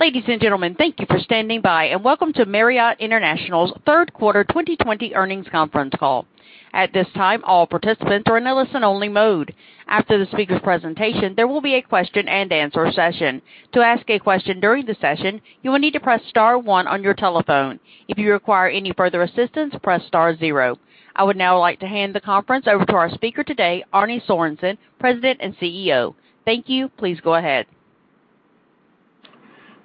Ladies and gentlemen, thank you for standing by, and welcome to Marriott International's third quarter 2020 earnings conference call. At this time, all participants are in a listen-only mode. After the speaker presentation, there will be a question-and-answer session. To ask a question during the session, you will need to press star one on your telephone. If you require any further assistance, press star zero. I would now like to hand the conference over to our speaker today, Arne Sorenson, President and CEO. Thank you. Please go ahead.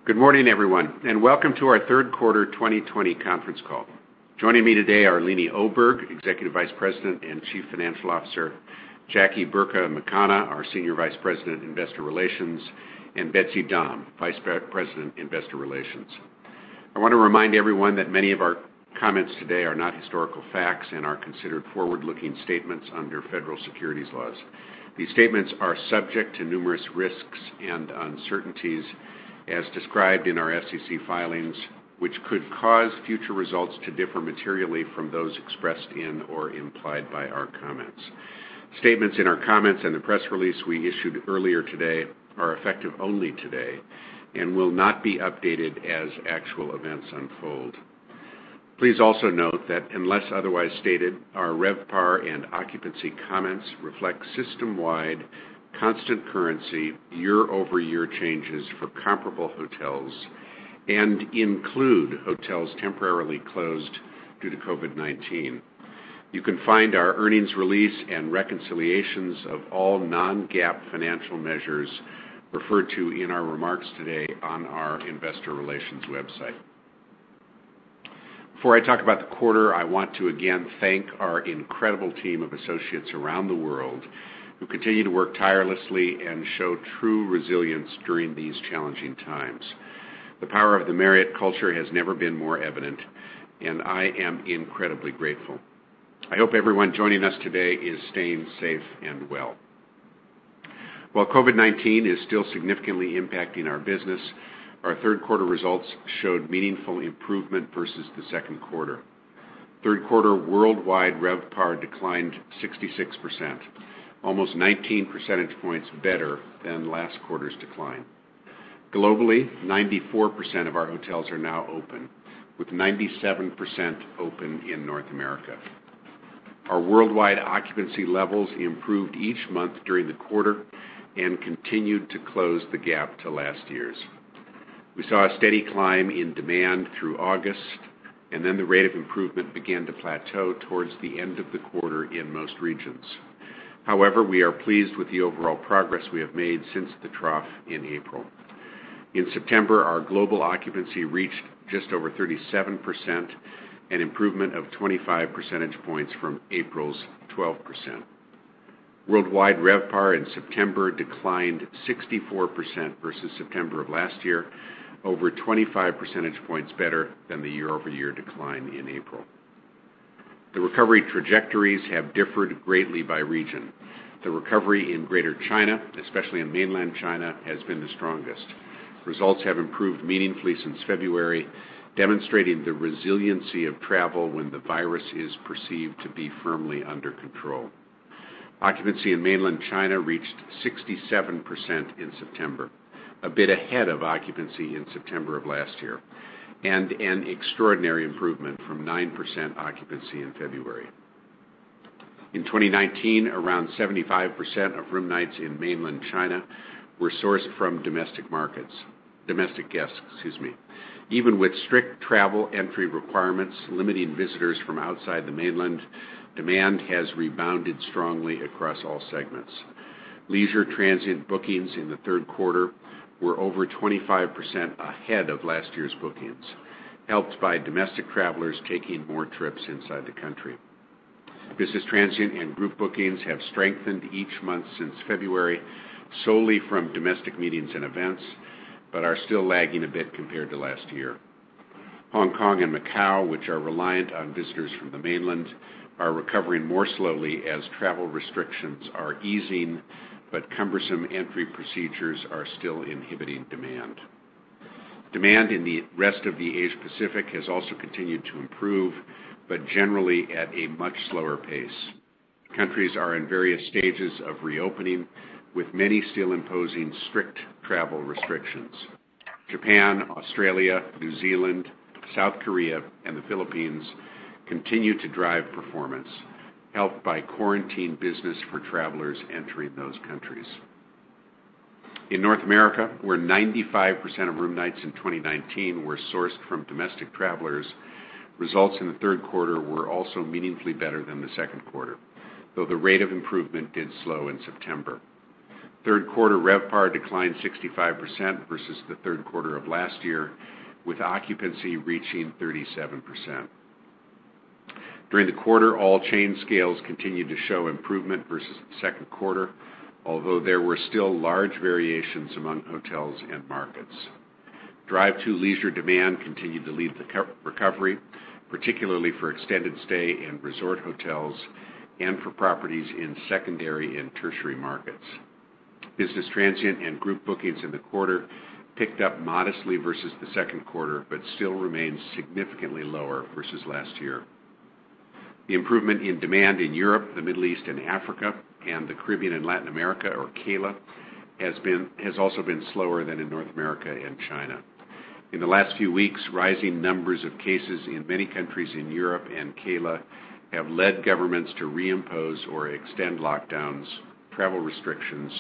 Good morning, everyone, and welcome to our third quarter 2020 conference call. Joining me today are Leeny Oberg, Executive Vice President and Chief Financial Officer, Jackie Burka McConagha, our Senior Vice President, Investor Relations, and Betsy Dahm, Vice President, Investor Relations. I want to remind everyone that many of our comments today are not historical facts and are considered forward-looking statements under federal securities laws. These statements are subject to numerous risks and uncertainties as described in our SEC filings, which could cause future results to differ materially from those expressed in or implied by our comments. Statements in our comments and the press release we issued earlier today are effective only today and will not be updated as actual events unfold. Please also note that unless otherwise stated, our RevPAR and occupancy comments reflect system-wide constant currency, year-over-year changes for comparable hotels and include hotels temporarily closed due to COVID-19. You can find our earnings release and reconciliations of all non-GAAP financial measures referred to in our remarks today on our investor relations website. Before I talk about the quarter, I want to again thank our incredible team of associates around the world who continue to work tirelessly and show true resilience during these challenging times. The power of the Marriott culture has never been more evident, and I am incredibly grateful. I hope everyone joining us today is staying safe and well. While COVID-19 is still significantly impacting our business, our third quarter results showed meaningful improvement versus the second quarter. Third quarter worldwide RevPAR declined 66%, almost 19 percentage points better than last quarter's decline. Globally, 94% of our hotels are now open, with 97% open in North America. Our worldwide occupancy levels improved each month during the quarter and continued to close the gap to last year's. We saw a steady climb in demand through August, then the rate of improvement began to plateau towards the end of the quarter in most regions. We are pleased with the overall progress we have made since the trough in April. In September, our global occupancy reached just over 37%, an improvement of 25 percentage points from April's 12%. Worldwide RevPAR in September declined 64% versus September of last year, over 25 percentage points better than the year-over-year decline in April. The recovery trajectories have differed greatly by region. The recovery in Greater China, especially in Mainland China, has been the strongest. Results have improved meaningfully since February, demonstrating the resiliency of travel when the virus is perceived to be firmly under control. Occupancy in Mainland China reached 67% in September, a bit ahead of occupancy in September of last year, and an extraordinary improvement from 9% occupancy in February. In 2019, around 75% of room nights in Mainland China were sourced from domestic guests. Even with strict travel entry requirements limiting visitors from outside the Mainland, demand has rebounded strongly across all segments. Leisure transient bookings in the third quarter were over 25% ahead of last year's bookings, helped by domestic travelers taking more trips inside the country. Business transient and group bookings have strengthened each month since February, solely from domestic meetings and events, but are still lagging a bit compared to last year. Hong Kong and Macau, which are reliant on visitors from the Mainland, are recovering more slowly as travel restrictions are easing, but cumbersome entry procedures are still inhibiting demand. Demand in the rest of the Asia Pacific has also continued to improve, but generally at a much slower pace. Countries are in various stages of reopening, with many still imposing strict travel restrictions. Japan, Australia, New Zealand, South Korea, and the Philippines continue to drive performance, helped by quarantine business for travelers entering those countries. In North America, where 95% of room nights in 2019 were sourced from domestic travelers, results in the third quarter were also meaningfully better than the second quarter, though the rate of improvement did slow in September. Third quarter RevPAR declined 65% versus the third quarter of last year, with occupancy reaching 37%. During the quarter, all chain scales continued to show improvement versus the second quarter, although there were still large variations among hotels and markets. Drive-to leisure demand continued to lead the recovery, particularly for extended stay and resort hotels and for properties in secondary and tertiary markets. Business transient and group bookings in the quarter picked up modestly versus the second quarter but still remain significantly lower versus last year. The improvement in demand in Europe, the Middle East and Africa, and the Caribbean and Latin America, or CALA, has also been slower than in North America and China. In the last few weeks, rising numbers of cases in many countries in Europe and CALA have led governments to reimpose or extend lockdowns, travel restrictions,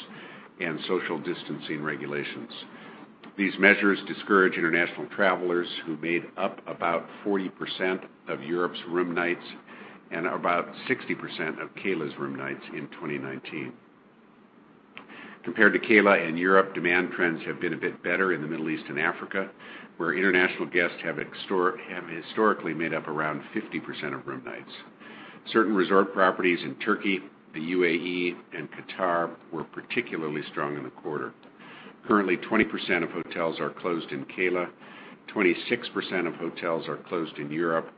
and social distancing regulations. These measures discourage international travelers who made up about 40% of Europe's room nights and about 60% of CALA's room nights in 2019. Compared to CALA and Europe, demand trends have been a bit better in the Middle East and Africa, where international guests have historically made up around 50% of room nights. Certain resort properties in Turkey, the UAE, and Qatar were particularly strong in the quarter. Currently, 20% of hotels are closed in CALA, 26% of hotels are closed in Europe,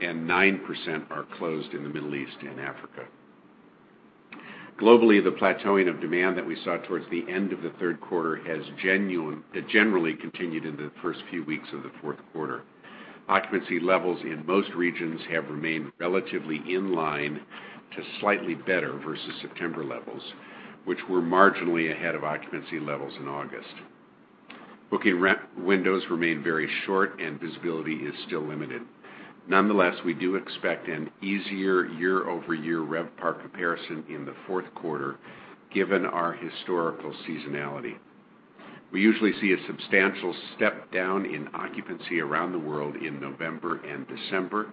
and 9% are closed in the Middle East and Africa. Globally, the plateauing of demand that we saw towards the end of the third quarter has generally continued into the first few weeks of the fourth quarter. Occupancy levels in most regions have remained relatively in line to slightly better versus September levels, which were marginally ahead of occupancy levels in August. Booking windows remain very short, and visibility is still limited. Nonetheless, we do expect an easier year-over-year RevPAR comparison in the fourth quarter, given our historical seasonality. We usually see a substantial step down in occupancy around the world in November and December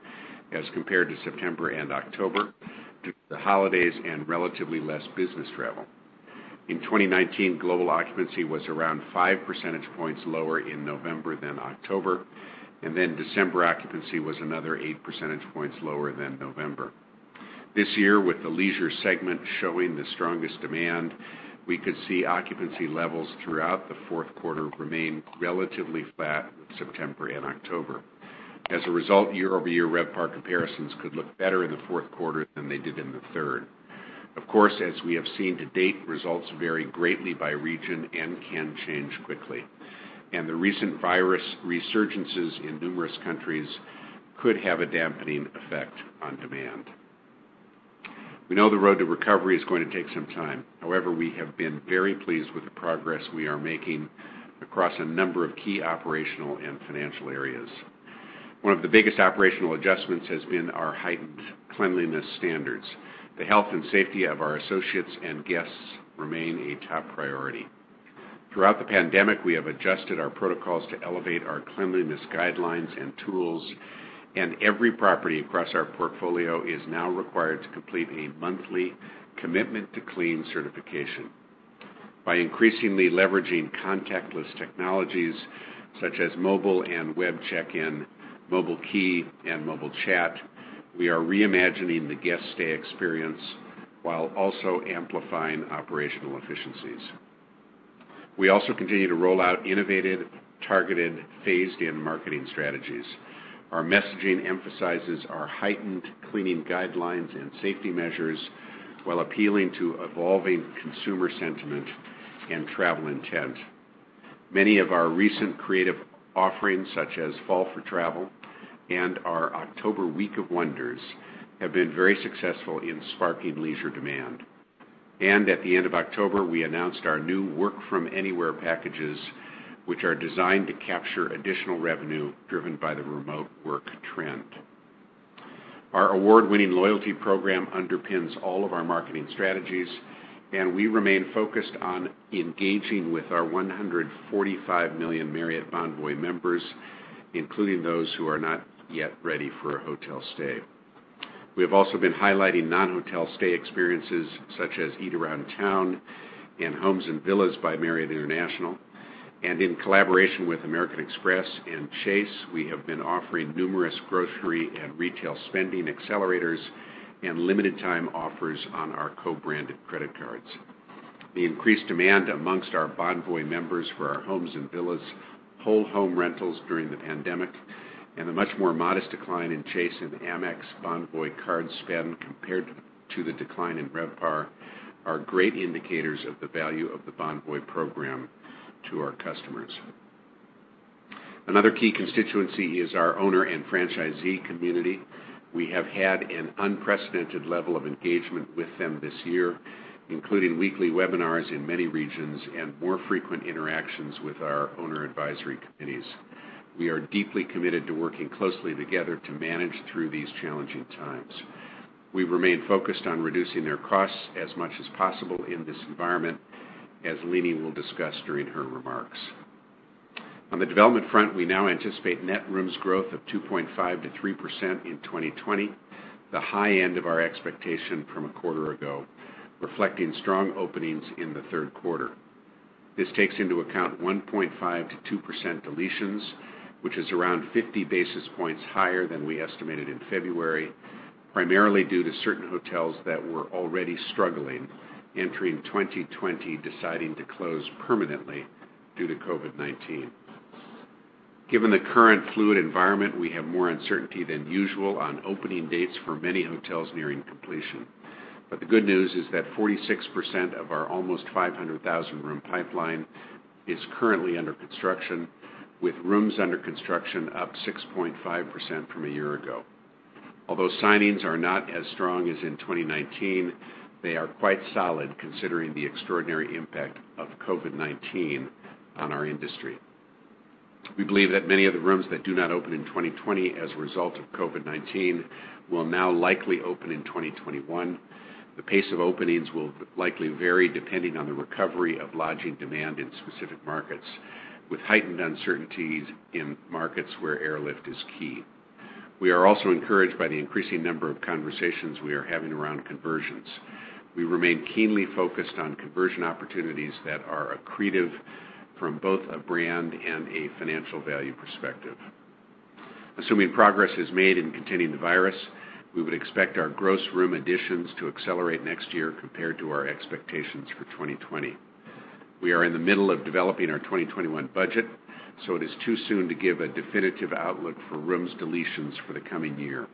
as compared to September and October due to the holidays and relatively less business travel. In 2019, global occupancy was around five percentage points lower in November than October, and December occupancy was another eight percentage points lower than November. This year, with the leisure segment showing the strongest demand, we could see occupancy levels throughout the fourth quarter remain relatively flat with September and October. As a result, year-over-year RevPAR comparisons could look better in the fourth quarter than they did in the third. Of course, as we have seen to date, results vary greatly by region and can change quickly. The recent virus resurgences in numerous countries could have a dampening effect on demand. We know the road to recovery is going to take some time. However, we have been very pleased with the progress we are making across a number of key operational and financial areas. One of the biggest operational adjustments has been our heightened cleanliness standards. The health and safety of our associates and guests remain a top priority. Throughout the pandemic, we have adjusted our protocols to elevate our cleanliness guidelines and tools, and every property across our portfolio is now required to complete a monthly Commitment to Clean certification. By increasingly leveraging contactless technologies such as mobile and web check-in, mobile key, and mobile chat, we are reimagining the guest stay experience while also amplifying operational efficiencies. We also continue to roll out innovative, targeted, phased-in marketing strategies. Our messaging emphasizes our heightened cleaning guidelines and safety measures while appealing to evolving consumer sentiment and travel intent. Many of our recent creative offerings, such as Fall for Travel and our October Week of Wonders, have been very successful in sparking leisure demand. At the end of October, we announced our new Work From Anywhere packages, which are designed to capture additional revenue driven by the remote work trend. Our award-winning loyalty program underpins all of our marketing strategies, and we remain focused on engaging with our 145 million Marriott Bonvoy members, including those who are not yet ready for a hotel stay. We have also been highlighting non-hotel stay experiences such as Eat Around Town and Homes & Villas by Marriott International. In collaboration with American Express and Chase, we have been offering numerous grocery and retail spending accelerators and limited time offers on our co-branded credit cards. The increased demand amongst our Bonvoy members for our Homes & Villas whole home rentals during the pandemic, and a much more modest decline in Chase and Amex Bonvoy card spend compared to the decline in RevPAR, are great indicators of the value of the Bonvoy program to our customers. Another key constituency is our owner and franchisee community. We have had an unprecedented level of engagement with them this year, including weekly webinars in many regions and more frequent interactions with our owner advisory committees. We are deeply committed to working closely together to manage through these challenging times. We remain focused on reducing their costs as much as possible in this environment, as Leeny will discuss during her remarks. On the development front, we now anticipate net rooms growth of 2.5%-3% in 2020, the high end of our expectation from a quarter ago, reflecting strong openings in the third quarter. This takes into account 1.5%-2% deletions, which is around 50 basis points higher than we estimated in February, primarily due to certain hotels that were already struggling entering 2020, deciding to close permanently due to COVID-19. Given the current fluid environment, we have more uncertainty than usual on opening dates for many hotels nearing completion. The good news is that 46% of our almost 500,000 room pipeline is currently under construction, with rooms under construction up 6.5% from a year ago. Although signings are not as strong as in 2019, they are quite solid considering the extraordinary impact of COVID-19 on our industry. We believe that many of the rooms that do not open in 2020 as a result of COVID-19 will now likely open in 2021. The pace of openings will likely vary depending on the recovery of lodging demand in specific markets, with heightened uncertainties in markets where airlift is key. We are also encouraged by the increasing number of conversations we are having around conversions. We remain keenly focused on conversion opportunities that are accretive from both a brand and a financial value perspective. Assuming progress is made in containing the virus, we would expect our gross room additions to accelerate next year compared to our expectations for 2020. We are in the middle of developing our 2021 budget, so it is too soon to give a definitive outlook for rooms deletions for the coming year.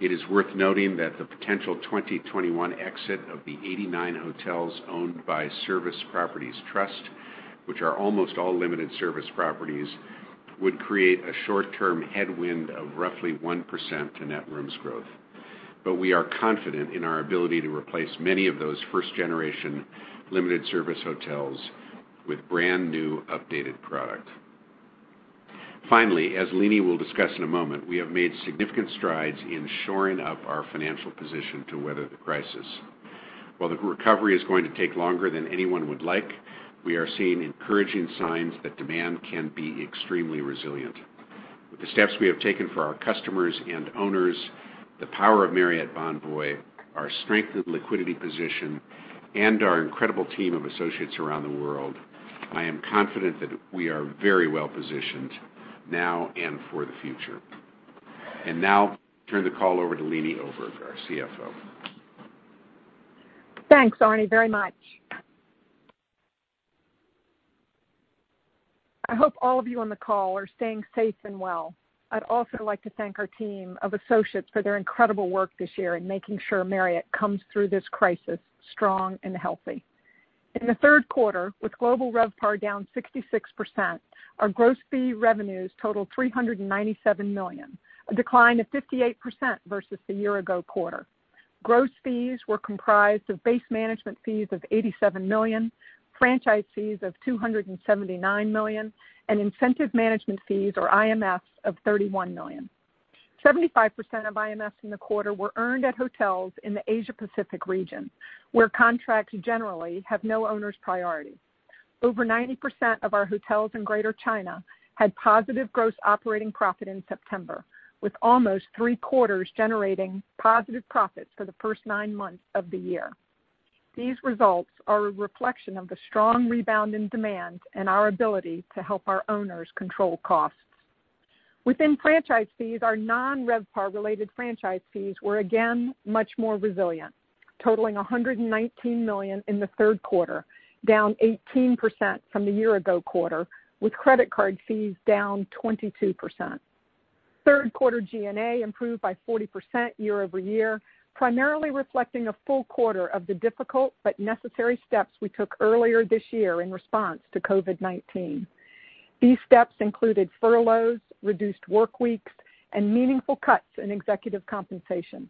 It is worth noting that the potential 2021 exit of the 89 hotels owned by Service Properties Trust, which are almost all limited service properties, would create a short-term headwind of roughly 1% to net rooms growth. We are confident in our ability to replace many of those first-generation limited service hotels with brand-new updated product. Finally, as Leeny will discuss in a moment, we have made significant strides in shoring up our financial position to weather the crisis. While the recovery is going to take longer than anyone would like, we are seeing encouraging signs that demand can be extremely resilient. With the steps we have taken for our customers and owners, the power of Marriott Bonvoy, our strengthened liquidity position, and our incredible team of associates around the world, I am confident that we are very well-positioned now and for the future. Now I turn the call over to Leeny Oberg, our CFO. Thanks, Arne, very much. I hope all of you on the call are staying safe and well. I'd also like to thank our team of associates for their incredible work this year in making sure Marriott comes through this crisis strong and healthy. In the third quarter, with global RevPAR down 66%, our gross fee revenues totaled $397 million, a decline of 58% versus the year-ago quarter. Gross fees were comprised of base management fees of $87 million, franchise fees of $279 million, and incentive management fees, or IMFs, of $31 million. 75% of IMFs in the quarter were earned at hotels in the Asia Pacific region, where contracts generally have no owner's priority. Over 90% of our hotels in Greater China had positive gross operating profit in September, with almost three-quarters generating positive profits for the first nine months of the year. These results are a reflection of the strong rebound in demand and our ability to help our owners control costs. Within franchise fees, our non-RevPAR related franchise fees were again much more resilient, totaling $119 million in the third quarter, down 18% from the year-ago quarter, with credit card fees down 22%. Third quarter G&A improved by 40% year-over-year, primarily reflecting a full quarter of the difficult but necessary steps we took earlier this year in response to COVID-19. These steps included furloughs, reduced workweeks, and meaningful cuts in executive compensation.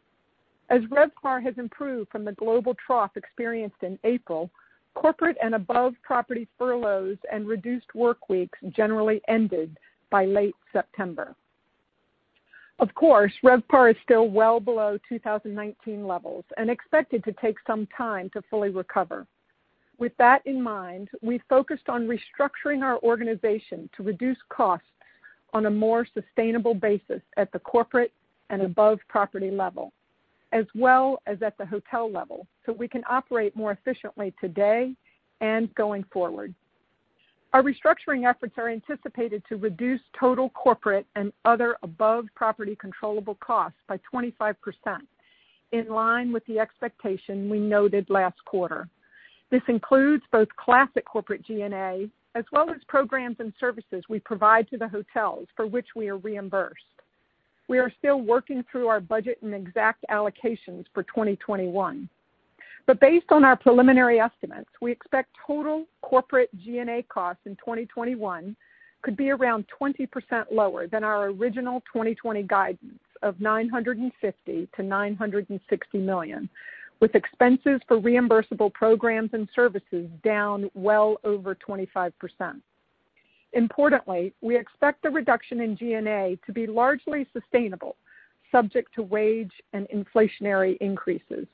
As RevPAR has improved from the global trough experienced in April, corporate and above property furloughs and reduced workweeks generally ended by late September. Of course, RevPAR is still well below 2019 levels and expected to take some time to fully recover. With that in mind, we focused on restructuring our organization to reduce costs on a more sustainable basis at the corporate and above property level, as well as at the hotel level, so we can operate more efficiently today and going forward. Our restructuring efforts are anticipated to reduce total corporate and other above property controllable costs by 25%, in line with the expectation we noted last quarter. This includes both classic corporate G&A, as well as programs and services we provide to the hotels for which we are reimbursed. We are still working through our budget and exact allocations for 2021. Based on our preliminary estimates, we expect total corporate G&A costs in 2021 could be around 20% lower than our original 2020 guidance of $950 million-$960 million, with expenses for reimbursable programs and services down well over 25%. Importantly, we expect the reduction in G&A to be largely sustainable, subject to wage and inflationary increases.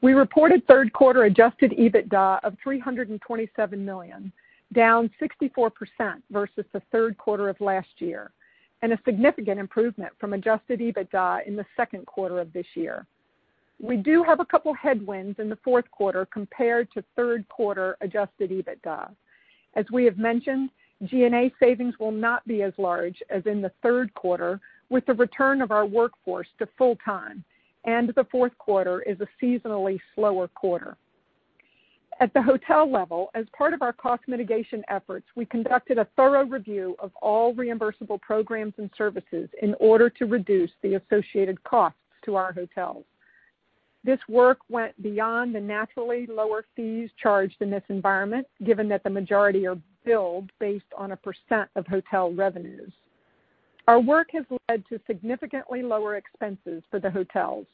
We reported third quarter adjusted EBITDA of $327 million, down 64% versus the third quarter of last year, and a significant improvement from adjusted EBITDA in the second quarter of this year. We do have a couple headwinds in the fourth quarter compared to third quarter adjusted EBITDA. As we have mentioned, G&A savings will not be as large as in the third quarter with the return of our workforce to full-time, and the fourth quarter is a seasonally slower quarter. At the hotel level, as part of our cost mitigation efforts, we conducted a thorough review of all reimbursable programs and services in order to reduce the associated costs to our hotels. This work went beyond the naturally lower fees charged in this environment, given that the majority are billed based on a percent of hotel revenues. Our work has led to significantly lower expenses for the hotels.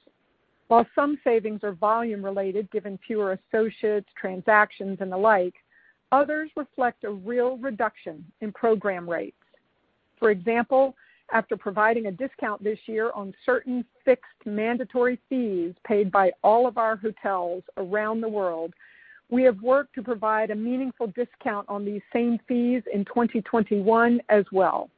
While some savings are volume related, given fewer associates, transactions, and the like, others reflect a real reduction in program rates. For example, after providing a discount this year on certain fixed mandatory fees paid by all of our hotels around the world, we have worked to provide a meaningful discount on these same fees in 2021 as well.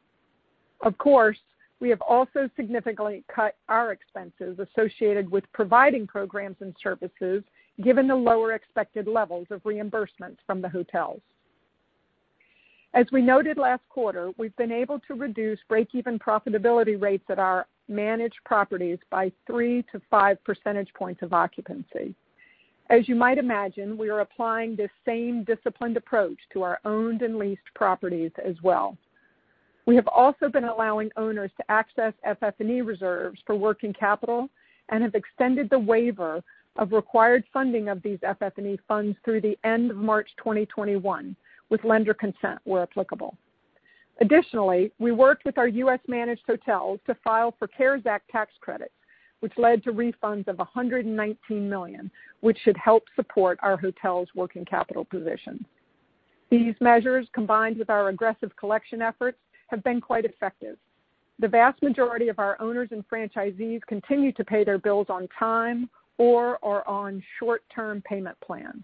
Of course, we have also significantly cut our expenses associated with providing programs and services, given the lower expected levels of reimbursements from the hotels. As we noted last quarter, we've been able to reduce break-even profitability rates at our managed properties by three to five percentage points of occupancy. As you might imagine, we are applying this same disciplined approach to our owned and leased properties as well. We have also been allowing owners to access FF&E reserves for working capital and have extended the waiver of required funding of these FF&E funds through the end of March 2021, with lender consent where applicable. We worked with our U.S.-managed hotels to file for CARES Act tax credits, which led to refunds of $119 million, which should help support our hotels' working capital position. These measures, combined with our aggressive collection efforts, have been quite effective. The vast majority of our owners and franchisees continue to pay their bills on time or are on short-term payment plans.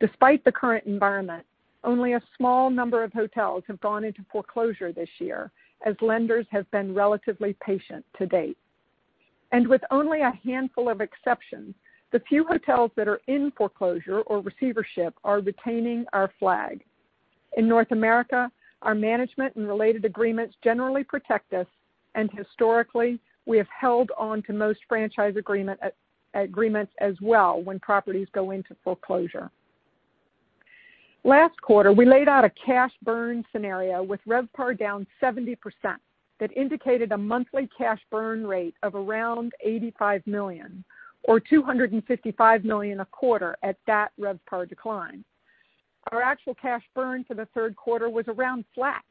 Despite the current environment, only a small number of hotels have gone into foreclosure this year, as lenders have been relatively patient to date. With only a handful of exceptions, the few hotels that are in foreclosure or receivership are retaining our flag. In North America, our management and related agreements generally protect us, and historically, we have held on to most franchise agreements as well when properties go into foreclosure. Last quarter, we laid out a cash burn scenario with RevPAR down 70% that indicated a monthly cash burn rate of around $85 million or $255 million a quarter at that RevPAR decline. Our actual cash burn for the third quarter was around flat,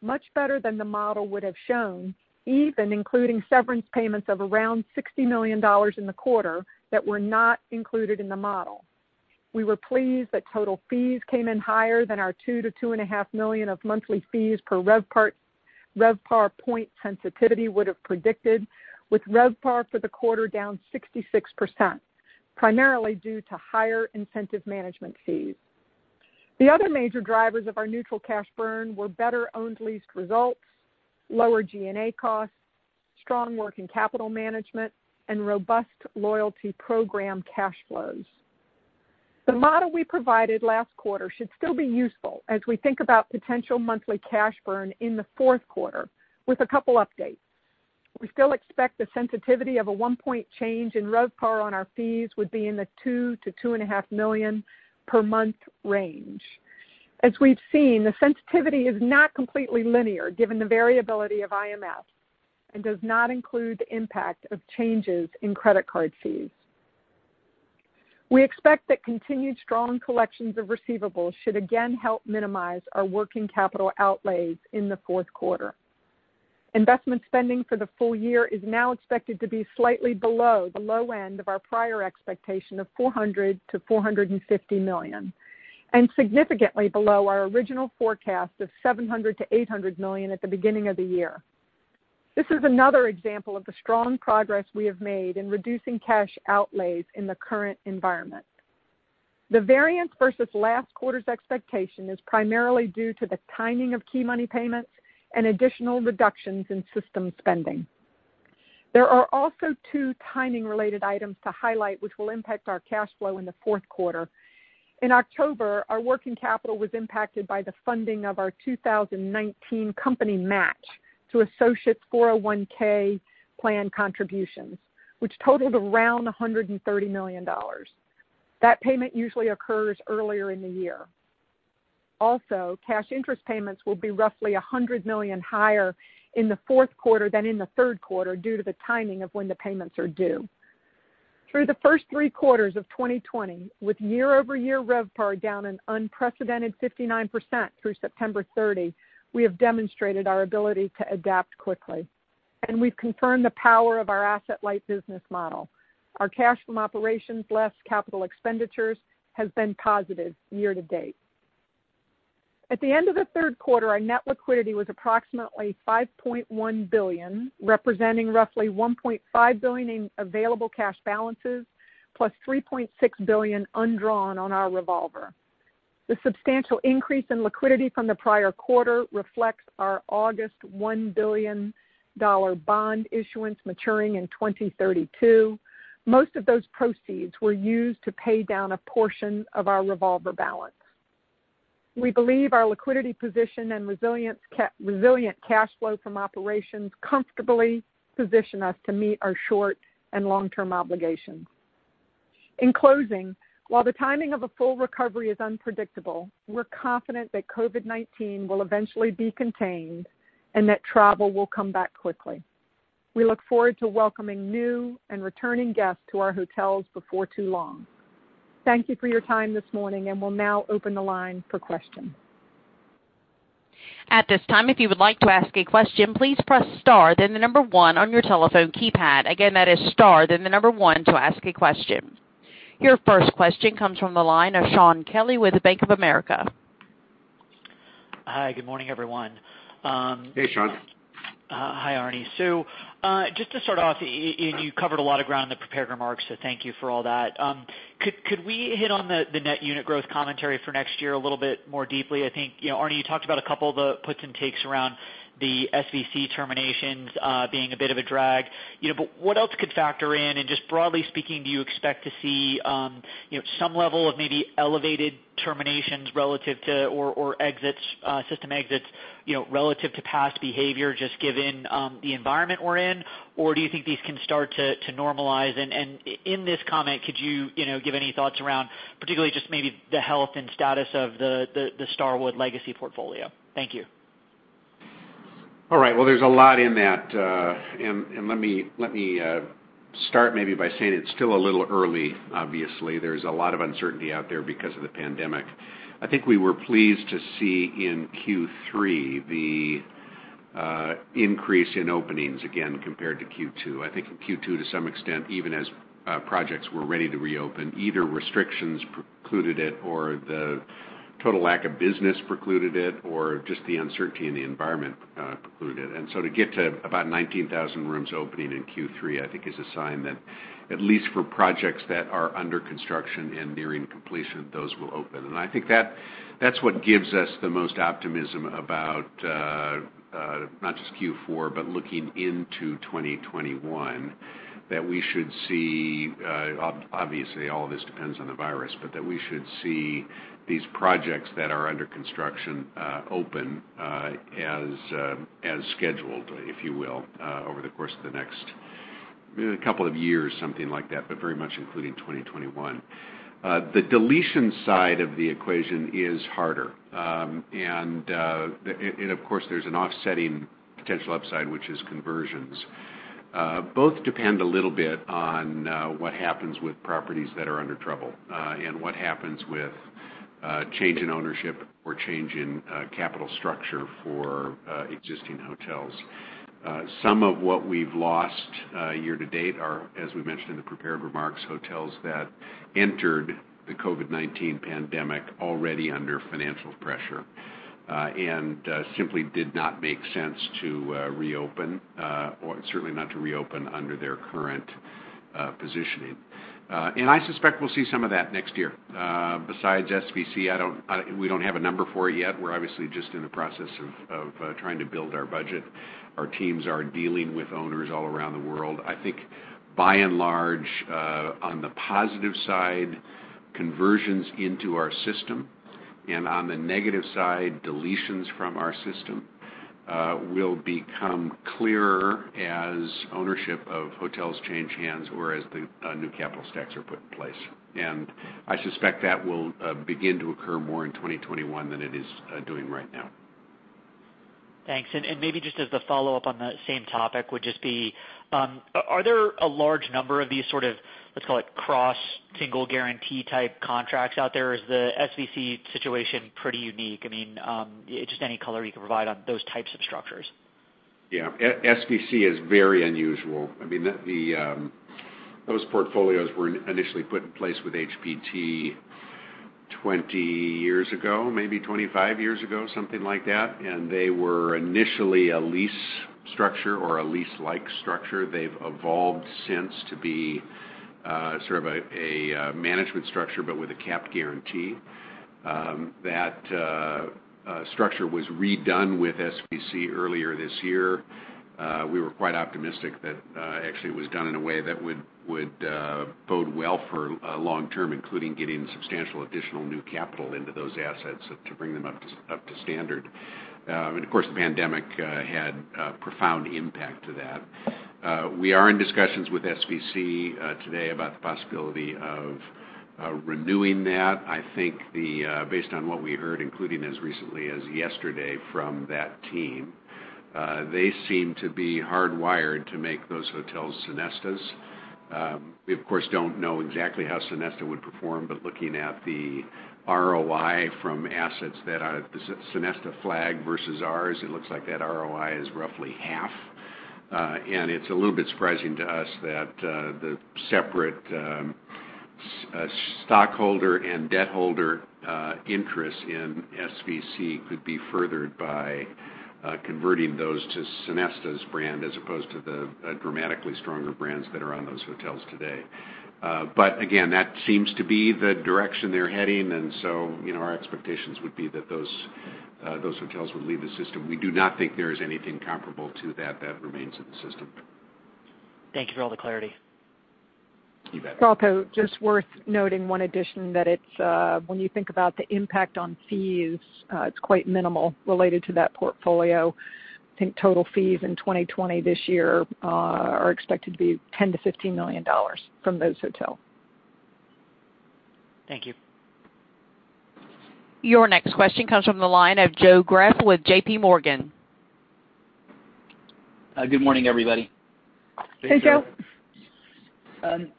much better than the model would have shown, even including severance payments of around $60 million in the quarter that were not included in the model. We were pleased that total fees came in higher than our $2 million-$2.5 million of monthly fees per RevPAR point sensitivity would have predicted, with RevPAR for the quarter down 66%, primarily due to higher Incentive Management Fees. The other major drivers of our neutral cash burn were better owned leased results, lower G&A costs, strong working capital management, and robust loyalty program cash flows. The model we provided last quarter should still be useful as we think about potential monthly cash burn in the fourth quarter with a couple updates. We still expect the sensitivity of a one-point change in RevPAR on our fees would be in the $2 million-$2.5 million per month range. As we've seen, the sensitivity is not completely linear given the variability of IMFs and does not include the impact of changes in credit card fees. We expect that continued strong collections of receivables should again help minimize our working capital outlays in the fourth quarter. Investment spending for the full year is now expected to be slightly below the low end of our prior expectation of $400 million-$450 million, and significantly below our original forecast of $700 million-$800 million at the beginning of the year. This is another example of the strong progress we have made in reducing cash outlays in the current environment. The variance versus last quarter's expectation is primarily due to the timing of key money payments and additional reductions in system spending. There are also two timing-related items to highlight which will impact our cash flow in the fourth quarter. In October, our working capital was impacted by the funding of our 2019 company match to associates' 401(k) plan contributions, which totaled around $130 million. That payment usually occurs earlier in the year. Also, cash interest payments will be roughly $100 million higher in the fourth quarter than in the third quarter due to the timing of when the payments are due. Through the first three quarters of 2020, with year-over-year RevPAR down an unprecedented 59% through September 30, we have demonstrated our ability to adapt quickly, and we've confirmed the power of our asset-light business model. Our cash from operations less capital expenditures has been positive year to date. At the end of the third quarter, our net liquidity was approximately $5.1 billion, representing roughly $1.5 billion in available cash balances, plus $3.6 billion undrawn on our revolver. The substantial increase in liquidity from the prior quarter reflects our August $1 billion bond issuance maturing in 2032. Most of those proceeds were used to pay down a portion of our revolver balance. We believe our liquidity position and resilient cash flow from operations comfortably position us to meet our short and long-term obligations. In closing, while the timing of a full recovery is unpredictable, we're confident that COVID-19 will eventually be contained and that travel will come back quickly. We look forward to welcoming new and returning guests to our hotels before too long. Thank you for your time this morning, and we'll now open the line for questions. At this time, if you would like to ask a question, please press star then a number one on your telephone keypad. Again, that is star, then the number one to ask a question. Your first question comes from the line of Shaun Kelley with Bank of America. Hi. Good morning, everyone. Hey, Shaun. Hi, Arne. Just to start off, and you covered a lot of ground in the prepared remarks, so thank you for all that. Could we hit on the net unit growth commentary for next year a little bit more deeply? I think, Arne, you talked about a couple of the puts and takes around the SVC terminations being a bit of a drag. What else could factor in? Just broadly speaking, do you expect to see some level of maybe elevated terminations relative to, or exits, system exits, relative to past behavior, just given the environment we're in? Do you think these can start to normalize? In this comment, could you give any thoughts around particularly just maybe the health and status of the Starwood legacy portfolio? Thank you. All right. Well, there's a lot in that. Let me start maybe by saying it's still a little early, obviously. There's a lot of uncertainty out there because of the pandemic. I think we were pleased to see in Q3 the increase in openings again compared to Q2. I think in Q2 to some extent, even as projects were ready to reopen, either restrictions precluded it or the total lack of business precluded it, or just the uncertainty in the environment precluded it. To get to about 19,000 rooms opening in Q3, I think is a sign that at least for projects that are under construction and nearing completion, those will open. I think that's what gives us the most optimism about not just Q4, but looking into 2021, obviously all of this depends on the virus, but that we should see these projects that are under construction open as scheduled, if you will, over the course of the next couple of years, something like that, but very much including 2021. The deletion side of the equation is harder. Of course, there's an offsetting potential upside, which is conversions. Both depend a little bit on what happens with properties that are under trouble, and what happens with change in ownership or change in capital structure for existing hotels. Some of what we've lost year to date are, as we mentioned in the prepared remarks, hotels that entered the COVID-19 pandemic already under financial pressure, and simply did not make sense to reopen, or certainly not to reopen under their current positioning. I suspect we'll see some of that next year. Besides SVC, we don't have a number for it yet. We're obviously just in the process of trying to build our budget. Our teams are dealing with owners all around the world. I think by and large, on the positive side, conversions into our system, and on the negative side, deletions from our system, will become clearer as ownership of hotels change hands, or as the new capital stacks are put in place. I suspect that will begin to occur more in 2021 than it is doing right now. Thanks. Maybe just as the follow-up on the same topic would just be, are there a large number of these sort of, let's call it cross single guarantee type contracts out there? Is the SVC situation pretty unique? Just any color you can provide on those types of structures. Yeah. SVC is very unusual. Those portfolios were initially put in place with HPT 20 years ago, maybe 25 years ago, something like that. They were initially a lease structure or a lease-like structure. They've evolved since to be sort of a management structure, with a capped guarantee. That structure was redone with SVC earlier this year. We were quite optimistic that actually it was done in a way that would bode well for long term, including getting substantial additional new capital into those assets to bring them up to standard. Of course, the pandemic had a profound impact to that. We are in discussions with SVC today about the possibility of renewing that. I think based on what we heard, including as recently as yesterday from that team, they seem to be hardwired to make those hotels Sonestas. We of course, don't know exactly how Sonesta would perform, but looking at the ROI from assets that are the Sonesta flag versus ours, it looks like that ROI is roughly half. It's a little bit surprising to us that the separate stockholder and debt holder interest in SVC could be furthered by converting those to Sonesta's brand as opposed to the dramatically stronger brands that are on those hotels today. Again, that seems to be the direction they're heading, and so our expectations would be that those hotels would leave the system. We do not think there is anything comparable to that remains in the system. Thank you for all the clarity. It's also just worth noting one addition that when you think about the impact on fees, it's quite minimal related to that portfolio. I think total fees in 2020 this year are expected to be $10 million-$15 million from those hotels. Thank you. Your next question comes from the line of Joe Greff with JPMorgan. Good morning, everybody. Hey, Joe. Arne,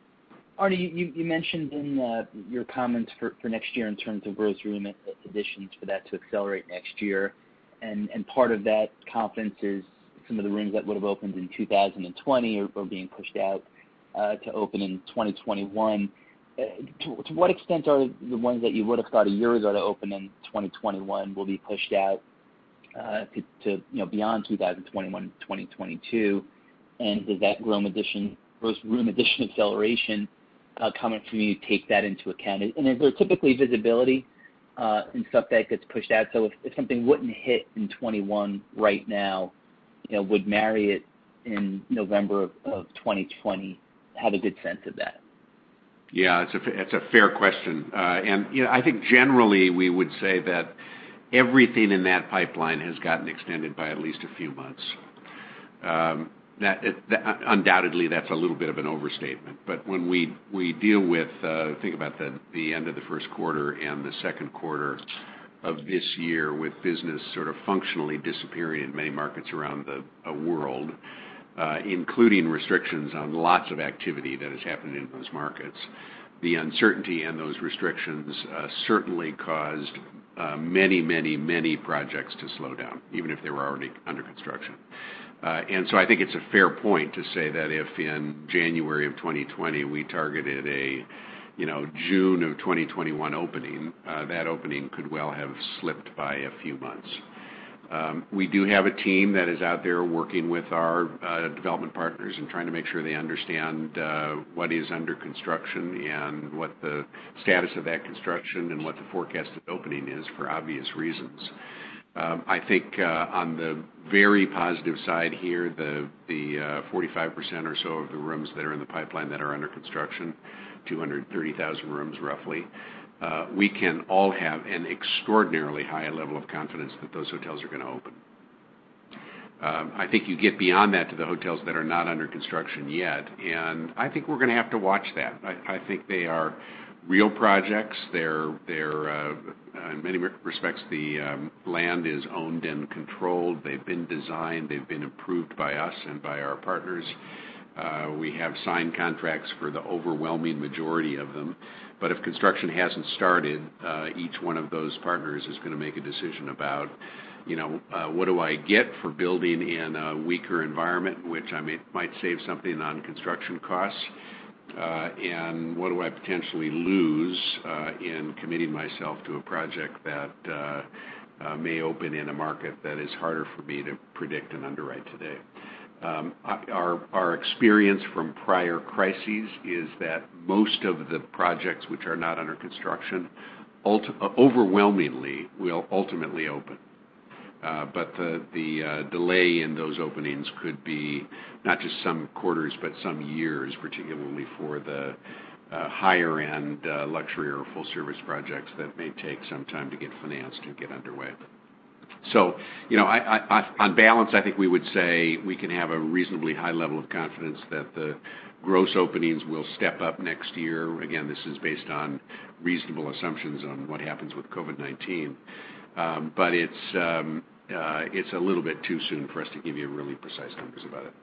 you mentioned in your comments for next year in terms of growth room additions for that to accelerate next year. Part of that confidence is some of the rooms that would've opened in 2020 are being pushed out to open in 2021. To what extent are the ones that you would've thought a year ago to open in 2021 will be pushed out to beyond 2021 to 2022? Does that gross room addition acceleration comment from you take that into account? Is there typically visibility in stuff that gets pushed out? If something wouldn't hit in 2021 right now would Marriott in November of 2020 have a good sense of that? Yeah, it's a fair question. I think generally we would say that everything in that pipeline has gotten extended by at least a few months. Undoubtedly that's a little bit of an overstatement, but when we think about the end of the first quarter and the second quarter of this year with business sort of functionally disappearing in many markets around the world, including restrictions on lots of activity that is happening in those markets. The uncertainty and those restrictions certainly caused many projects to slow down, even if they were already under construction. I think it's a fair point to say that if in January of 2020 we targeted a June of 2021 opening, that opening could well have slipped by a few months. We do have a team that is out there working with our development partners and trying to make sure they understand what is under construction and what the status of that construction and what the forecasted opening is for obvious reasons. I think on the very positive side here, the 45% or so of the rooms that are in the pipeline that are under construction, 230,000 rooms roughly, we can all have an extraordinarily high level of confidence that those hotels are going to open. I think you get beyond that to the hotels that are not under construction yet, and I think we're going to have to watch that. I think they are real projects. In many respects the land is owned and controlled. They've been designed, they've been approved by us and by our partners. We have signed contracts for the overwhelming majority of them. If construction hasn't started, each one of those partners is going to make a decision about, "What do I get for building in a weaker environment, which I might save something on construction costs? And what do I potentially lose in committing myself to a project that may open in a market that is harder for me to predict and underwrite today?" Our experience from prior crises is that most of the projects which are not under construction overwhelmingly will ultimately open. The delay in those openings could be not just some quarters, but some years, particularly for the higher-end luxury or full-service projects that may take some time to get financed or get underway. On balance, I think we would say we can have a reasonably high level of confidence that the gross openings will step up next year. This is based on reasonable assumptions on what happens with COVID-19. It's a little bit too soon for us to give you really precise numbers about it.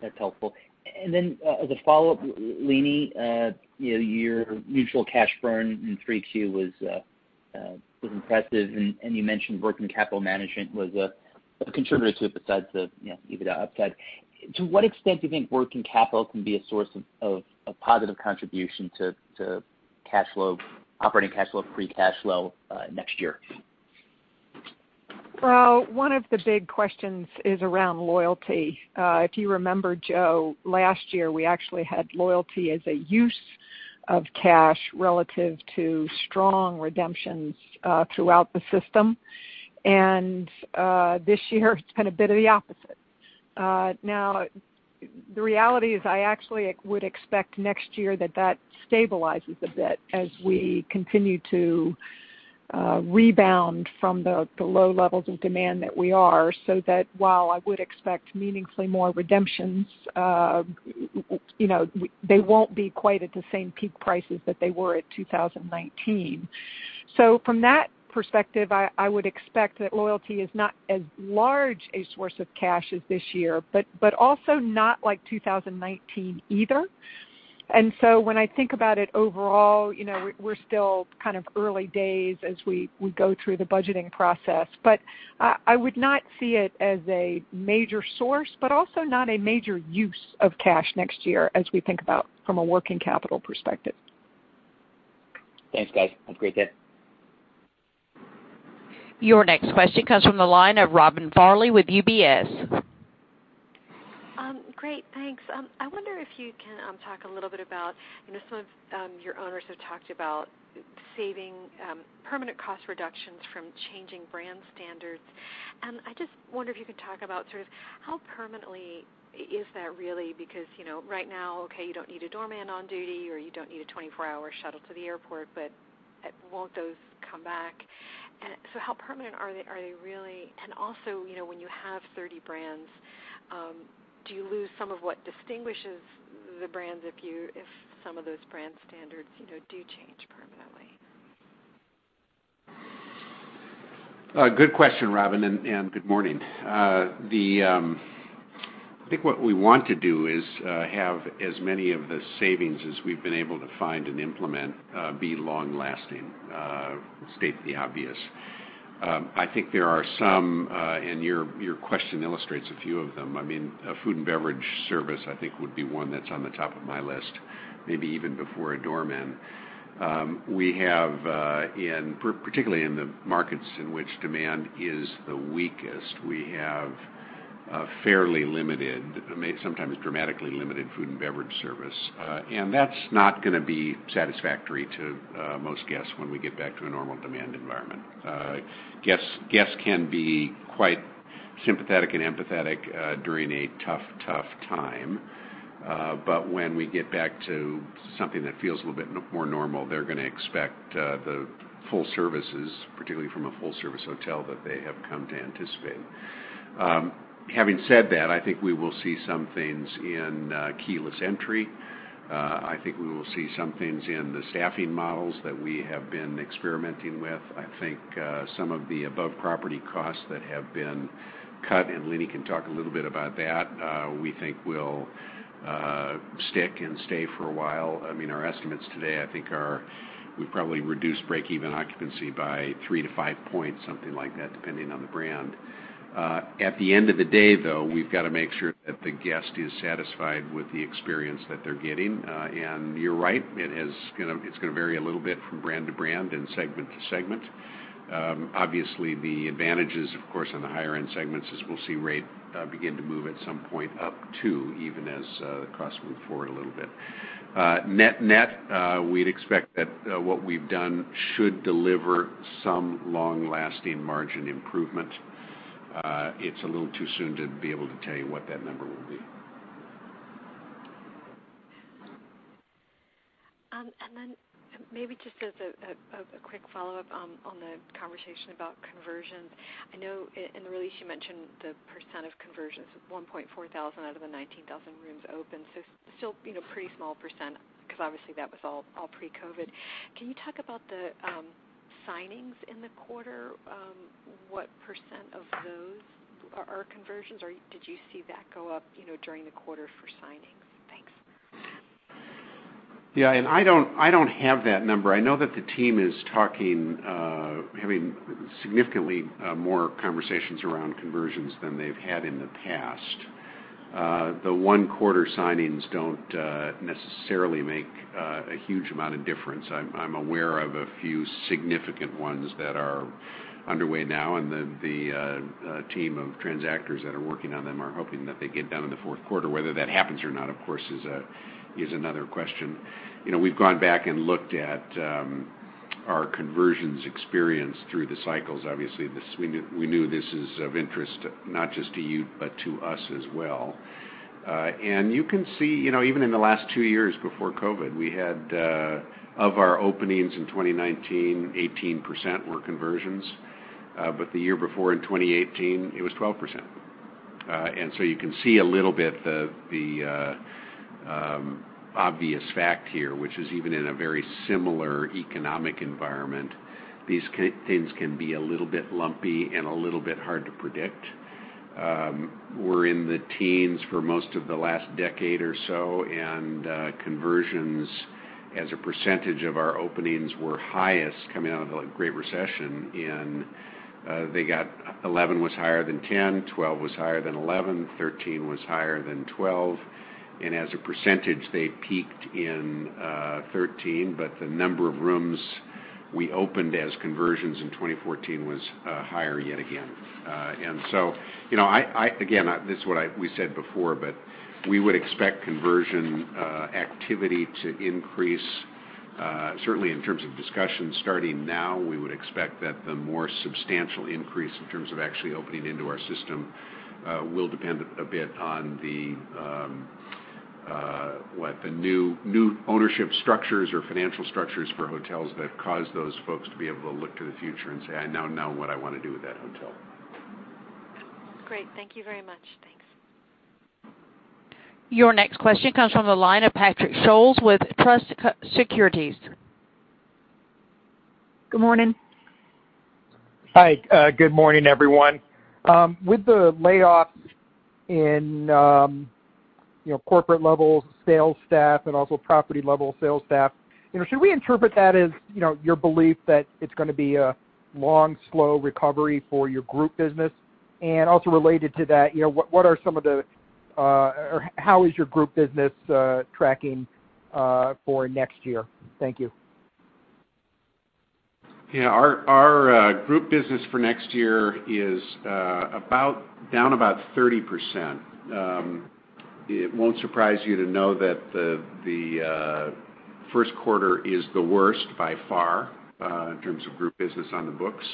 That's helpful. As a follow-up, Leeny, your neutral cash burn in Q3 was impressive, and you mentioned working capital management was a contributor to it besides the EBITDA upside. To what extent do you think working capital can be a source of a positive contribution to operating cash flow, free cash flow, next year? Well, one of the big questions is around loyalty. If you remember, Joe, last year we actually had loyalty as a use of cash relative to strong redemptions throughout the system. This year it's been a bit of the opposite. The reality is I actually would expect next year that that stabilizes a bit as we continue to rebound from the low levels of demand that we are, so that while I would expect meaningfully more redemptions, they won't be quite at the same peak prices that they were at 2019. From that perspective, I would expect that loyalty is not as large a source of cash as this year, but also not like 2019 either. When I think about it overall, we're still kind of early days as we go through the budgeting process. I would not see it as a major source, but also not a major use of cash next year as we think about from a working capital perspective. Thanks, guys. Have a great day. Your next question comes from the line of Robin Farley with UBS. Great, thanks. I wonder if you can talk a little bit about. I know some of your owners have talked about permanent cost reductions from changing brand standards. I just wonder if you could talk about how permanently is that really? Because right now, okay, you don't need a doorman on duty or you don't need a 24-hour shuttle to the airport. Won't those come back? How permanent are they really? Also, when you have 30 brands, do you lose some of what distinguishes the brands if some of those brand standards do change permanently? Good question, Robin, and good morning. I think what we want to do is have as many of the savings as we've been able to find and implement be long-lasting, state the obvious. I think there are some, and your question illustrates a few of them. A food and beverage service, I think would be one that's on the top of my list, maybe even before a doorman. Particularly in the markets in which demand is the weakest, we have a fairly limited, sometimes dramatically limited food and beverage service. That's not going to be satisfactory to most guests when we get back to a normal demand environment. Guests can be quite sympathetic and empathetic during a tough time. When we get back to something that feels a little bit more normal, they're going to expect the full services, particularly from a full-service hotel that they have come to anticipate. Having said that, I think we will see some things in keyless entry. I think we will see some things in the staffing models that we have been experimenting with. I think some of the above property costs that have been cut, and Leeny can talk a little bit about that, we think will stick and stay for a while. Our estimates today, I think, are we've probably reduced breakeven occupancy by three to five points, something like that, depending on the brand. At the end of the day, though, we've got to make sure that the guest is satisfied with the experience that they're getting. You're right. It's going to vary a little bit from brand to brand and segment to segment. Obviously, the advantages, of course, on the higher-end segments is we'll see rate begin to move at some point up too, even as the costs move forward a little bit. Net-net, we'd expect that what we've done should deliver some long-lasting margin improvement. It's a little too soon to be able to tell you what that number will be. Maybe just as a quick follow-up on the conversation about conversions. I know in the release you mentioned the percent of conversions, 1,400 out of the 19,000 rooms open. Still pretty small percent, because obviously that was all pre-COVID-19. Can you talk about the signings in the quarter? What percent of those are conversions, or did you see that go up during the quarter for signings? Thanks. I don't have that number. I know that the team is having significantly more conversations around conversions than they've had in the past. The one-quarter signings don't necessarily make a huge amount of difference. I'm aware of a few significant ones that are underway now, and the team of transactors that are working on them are hoping that they get done in the fourth quarter. Whether that happens or not, of course, is another question. We've gone back and looked at our conversions experience through the cycles. Obviously, we knew this is of interest not just to you, but to us as well. You can see, even in the last two years before COVID-19, we had of our openings in 2019, 18% were conversions. The year before in 2018, it was 12%. You can see a little bit the obvious fact here, which is even in a very similar economic environment, these things can be a little bit lumpy and a little bit hard to predict. We're in the teens for most of the last decade or so, and conversions as a percentage of our openings were highest coming out of the Great Recession in they got 11 was higher than 10, 12 was higher than 11, 13 was higher than 12. As a percentage, they peaked in 13, but the number of rooms we opened as conversions in 2014 was higher yet again. Again, this is what we said before, but we would expect conversion activity to increase certainly in terms of discussions starting now. We would expect that the more substantial increase in terms of actually opening into our system will depend a bit on the new ownership structures or financial structures for hotels that cause those folks to be able to look to the future and say, "I now know what I want to do with that hotel. Great. Thank you very much. Thanks. Your next question comes from the line of Patrick Scholes with Truist Securities. Good morning. Hi, good morning, everyone. With the layoffs in corporate-level sales staff and also property-level sales staff, should we interpret that as your belief that it's going to be a long, slow recovery for your group business? Related to that, how is your group business tracking for next year? Thank you. Yeah, our group business for next year is down about 30%. It won't surprise you to know that the first quarter is the worst by far in terms of group business on the books.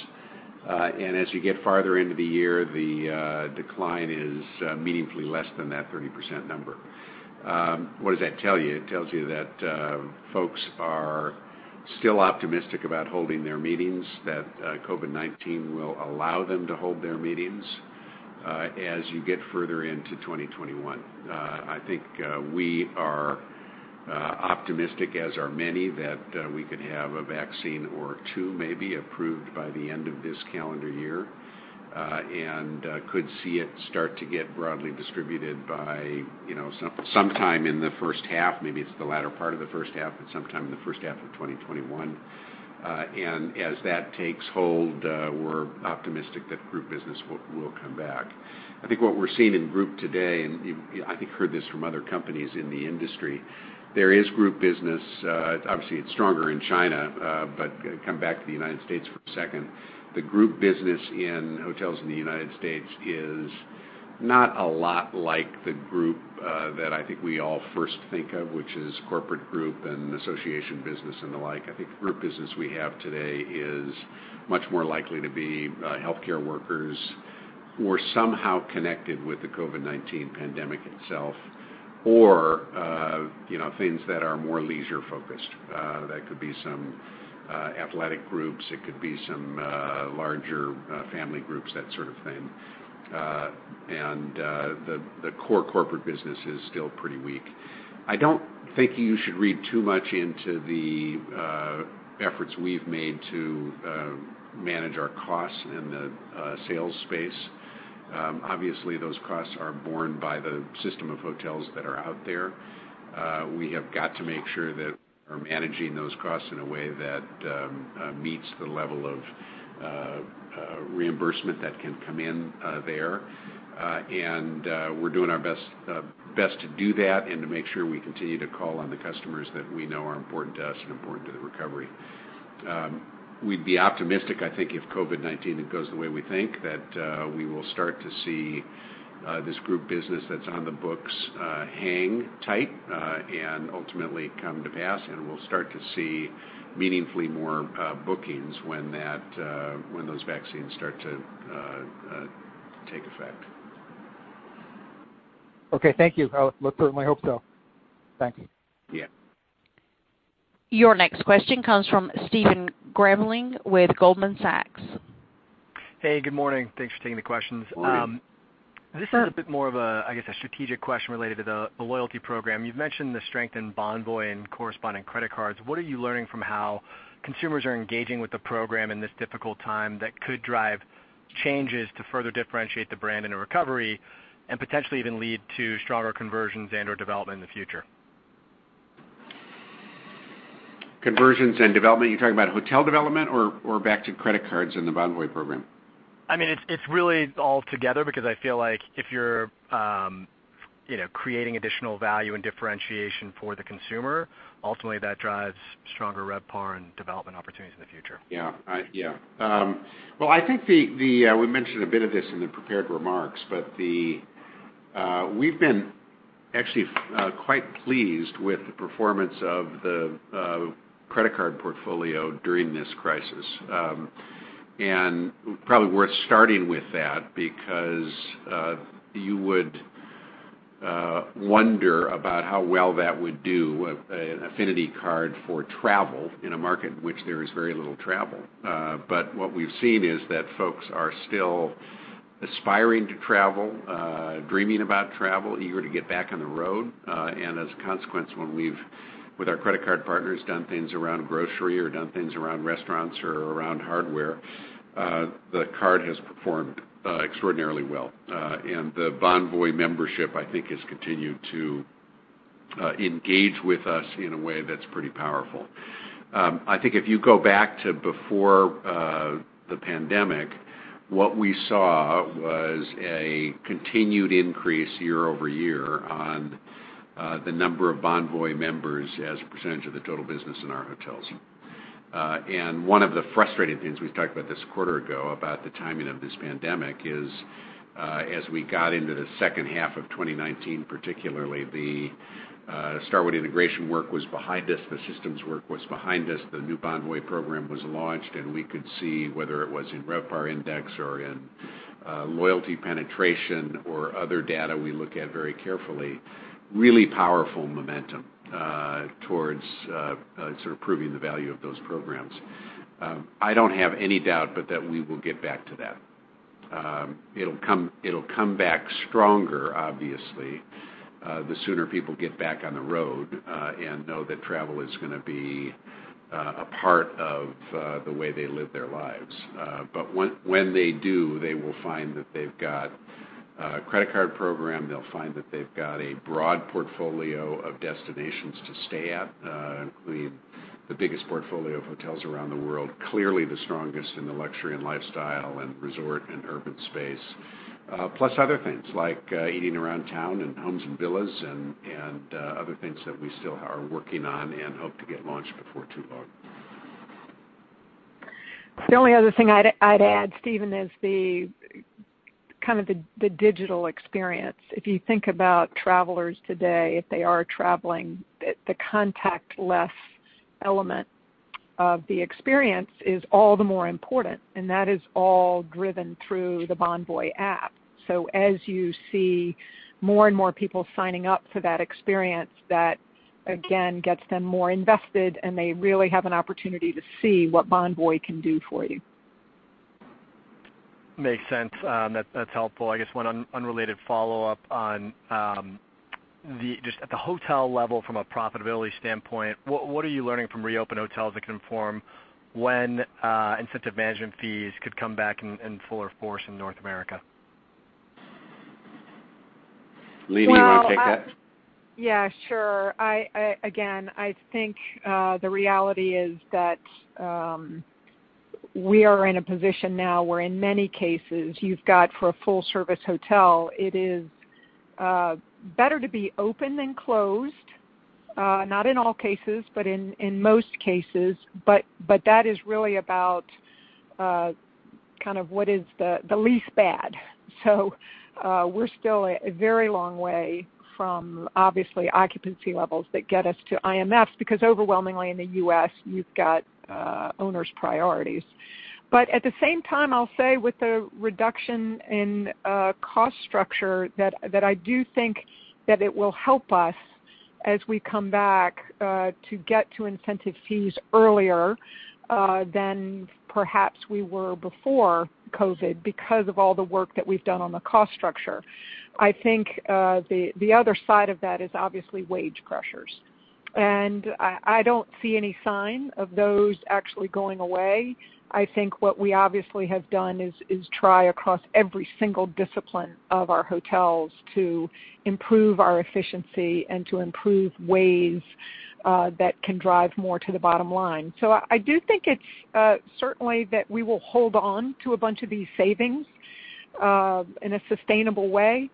As you get farther into the year, the decline is meaningfully less than that 30% number. What does that tell you? It tells you that folks are still optimistic about holding their meetings, that COVID-19 will allow them to hold their meetings as you get further into 2021. I think we are optimistic, as are many, that we could have a vaccine or two maybe approved by the end of this calendar year, and could see it start to get broadly distributed by sometime in the first half, maybe it's the latter part of the first half, but sometime in the first half of 2021. As that takes hold, we're optimistic that group business will come back. I think what we're seeing in group today, and I think you've heard this from other companies in the industry, there is group business. Obviously, it's stronger in China, but come back to the United States for a second. The group business in hotels in the United States is not a lot like the group that I think we all first think of, which is corporate group and association business and the like. I think the group business we have today is much more likely to be healthcare workers who are somehow connected with the COVID-19 pandemic itself or things that are more leisure focused. That could be some athletic groups, it could be some larger family groups, that sort of thing. The core corporate business is still pretty weak. I don't think you should read too much into the efforts we've made to manage our costs in the sales space. Obviously, those costs are borne by the system of hotels that are out there. We have got to make sure that we're managing those costs in a way that meets the level of reimbursement that can come in there. We're doing our best to do that and to make sure we continue to call on the customers that we know are important to us and important to the recovery. We'd be optimistic, I think, if COVID-19 goes the way we think, that we will start to see this group business that's on the books hang tight and ultimately come to pass, and we'll start to see meaningfully more bookings when those vaccines start to take effect. Okay, thank you. I certainly hope so. Thanks. Yeah. Your next question comes from Stephen Grambling with Goldman Sachs. Hey, good morning. Thanks for taking the questions. Morning. This is a bit more of a, I guess, a strategic question related to the loyalty program. You've mentioned the strength in Bonvoy and corresponding credit cards. What are you learning from how consumers are engaging with the program in this difficult time that could drive changes to further differentiate the brand in a recovery, and potentially even lead to stronger conversions and/or development in the future? Conversions and development, are you talking about hotel development or back to credit cards in the Bonvoy program? It's really all together because I feel like if you're creating additional value and differentiation for the consumer, ultimately that drives stronger RevPAR and development opportunities in the future. Well, I think we mentioned a bit of this in the prepared remarks, we've been actually quite pleased with the performance of the credit card portfolio during this crisis. Probably worth starting with that because you would wonder about how well that would do, an affinity card for travel in a market in which there is very little travel. What we've seen is that folks are still aspiring to travel, dreaming about travel, eager to get back on the road. As a consequence, when we've, with our credit card partners, done things around grocery or done things around restaurants or around hardware, the card has performed extraordinarily well. The Bonvoy membership, I think, has continued to engage with us in a way that's pretty powerful. I think if you go back to before the pandemic, what we saw was a continued increase year-over-year on the number of Bonvoy members as a percentage of the total business in our hotels. One of the frustrating things we've talked about this quarter ago about the timing of this pandemic is as we got into the second half of 2019, particularly the Starwood integration work was behind us, the systems work was behind us, the new Bonvoy program was launched, and we could see whether it was in RevPAR index or in loyalty penetration or other data we look at very carefully, really powerful momentum towards sort of proving the value of those programs. I don't have any doubt but that we will get back to that. It'll come back stronger, obviously, the sooner people get back on the road and know that travel is going to be a part of the way they live their lives. When they do, they will find that they've got a credit card program, they'll find that they've got a broad portfolio of destinations to stay at, including the biggest portfolio of hotels around the world. Clearly the strongest in the luxury and lifestyle and resort and urban space. Plus other things, like Eat Around Town and Homes & Villas and other things that we still are working on and hope to get launched before too long. The only other thing I'd add, Stephen, is the kind of the digital experience. If you think about travelers today, if they are traveling, the contactless element of the experience is all the more important, and that is all driven through the Bonvoy app. As you see more and more people signing up for that experience, that again gets them more invested, and they really have an opportunity to see what Bonvoy can do for you. Makes sense. That's helpful. I guess one unrelated follow-up on just at the hotel level from a profitability standpoint, what are you learning from reopened hotels that can inform when incentive management fees could come back in fuller force in North America? Well- Leeny, do you want to take that? Yeah, sure. I think the reality is that we are in a position now where in many cases you've got for a full service hotel, it is better to be open than closed. Not in all cases, in most cases. That is really about kind of what is the least bad. We're still a very long way from obviously occupancy levels that get us to IMFs because overwhelmingly in the U.S. you've got owners' priorities. At the same time, I'll say with the reduction in cost structure that I do think that it will help us as we come back to get to incentive fees earlier than perhaps we were before COVID because of all the work that we've done on the cost structure. I think the other side of that is obviously wage pressures. I don't see any sign of those actually going away. I think what we obviously have done is try across every single discipline of our hotels to improve our efficiency and to improve ways that can drive more to the bottom line. I do think it's certainly that we will hold on to a bunch of these savings in a sustainable way.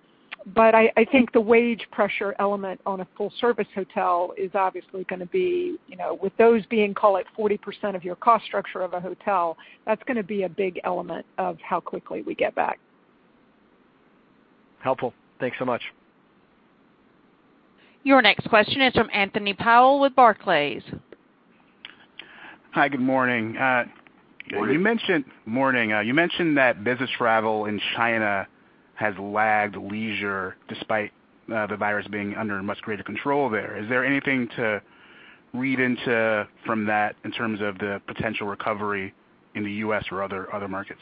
I think the wage pressure element on a full service hotel is obviously going to be, with those being, call it 40% of your cost structure of a hotel, that's going to be a big element of how quickly we get back. Helpful. Thanks so much. Your next question is from Anthony Powell with Barclays. Hi, good morning. Morning. Morning. You mentioned that business travel in China has lagged leisure despite the virus being under much greater control there. Is there anything to read into from that in terms of the potential recovery in the U.S. or other markets?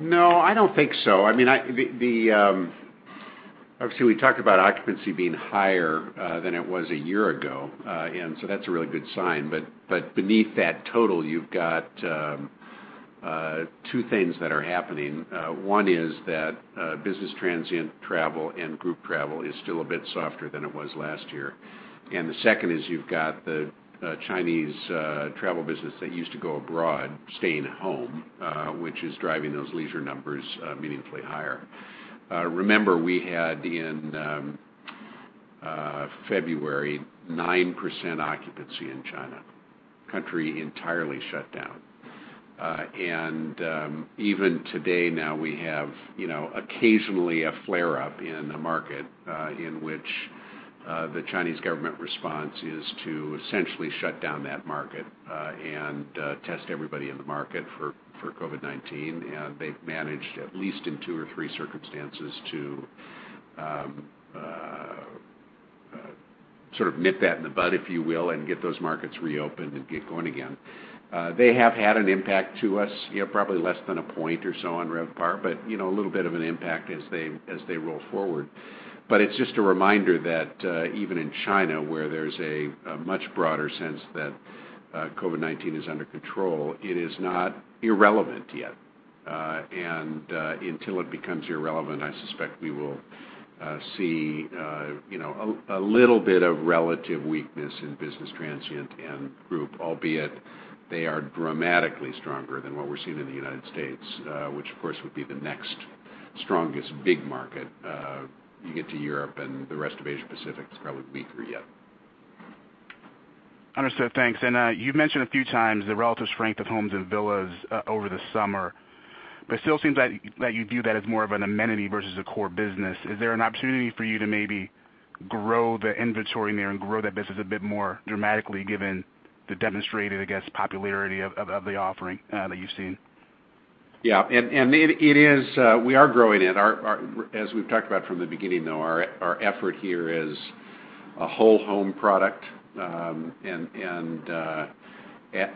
No, I don't think so. We talked about occupancy being higher than it was a year ago. That's a really good sign. Beneath that total, you've got two things that are happening. One is that business transient travel and group travel is still a bit softer than it was last year. The second is you've got the Chinese travel business that used to go abroad staying home, which is driving those leisure numbers meaningfully higher. Remember, we had in February 9% occupancy in China. Country entirely shut down. Even today now we have occasionally a flare-up in a market in which the Chinese government response is to essentially shut down that market and test everybody in the market for COVID-19. They've managed at least in two or three circumstances to sort of nip that in the bud, if you will, and get those markets reopened and get going again. They have had an impact to us, probably less than a point or so on RevPAR but a little bit of an impact as they roll forward. It's just a reminder that even in China, where there's a much broader sense that COVID-19 is under control, it is not irrelevant yet. Until it becomes irrelevant, I suspect we will see a little bit of relative weakness in business transient and group, albeit they are dramatically stronger than what we're seeing in the U.S., which of course would be the next strongest big market. You get to Europe and the rest of Asia Pacific, it's probably weaker yet. Understood. Thanks. You've mentioned a few times the relative strength of Homes & Villas over the summer, but it still seems like you view that as more of an amenity versus a core business. Is there an opportunity for you to maybe grow the inventory in there and grow that business a bit more dramatically given the demonstrated, I guess, popularity of the offering that you've seen? Yeah. We are growing it. As we've talked about from the beginning, though, our effort here is a whole home product.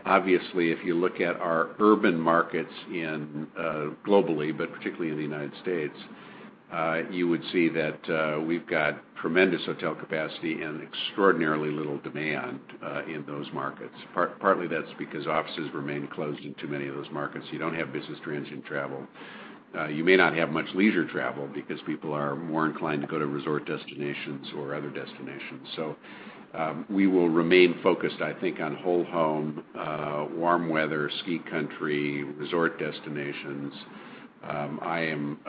Obviously if you look at our urban markets globally, but particularly in the United States you would see that we've got tremendous hotel capacity and extraordinarily little demand in those markets. Partly that's because offices remain closed in too many of those markets. You don't have business transient travel. You may not have much leisure travel because people are more inclined to go to resort destinations or other destinations. We will remain focused, I think on whole home, warm weather, ski country, resort destinations. I am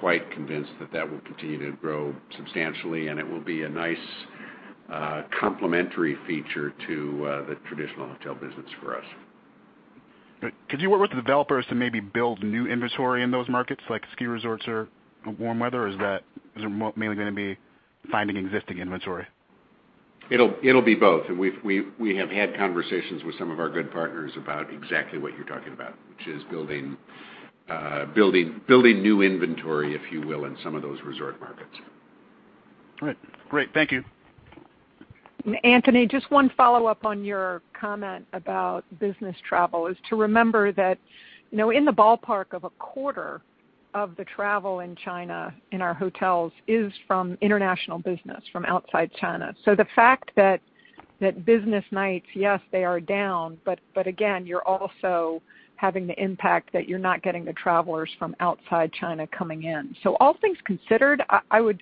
quite convinced that that will continue to grow substantially, and it will be a nice a complementary feature to the traditional hotel business for us. Good. Could you work with the developers to maybe build new inventory in those markets, like ski resorts or warm weather? Is that mainly going to be finding e xisting inventory? It'll be both. We have had conversations with some of our good partners about exactly what you're talking about, which is building new inventory, if you will, in some of those resort markets. All right, great. Thank you. Anthony, just one follow-up on your comment about business travel is to remember that in the ballpark of a quarter of the travel in China in our hotels is from international business from outside China. The fact that business nights, yes, they are down, but again, you're also having the impact that you're not getting the travelers from outside China coming in. All things considered,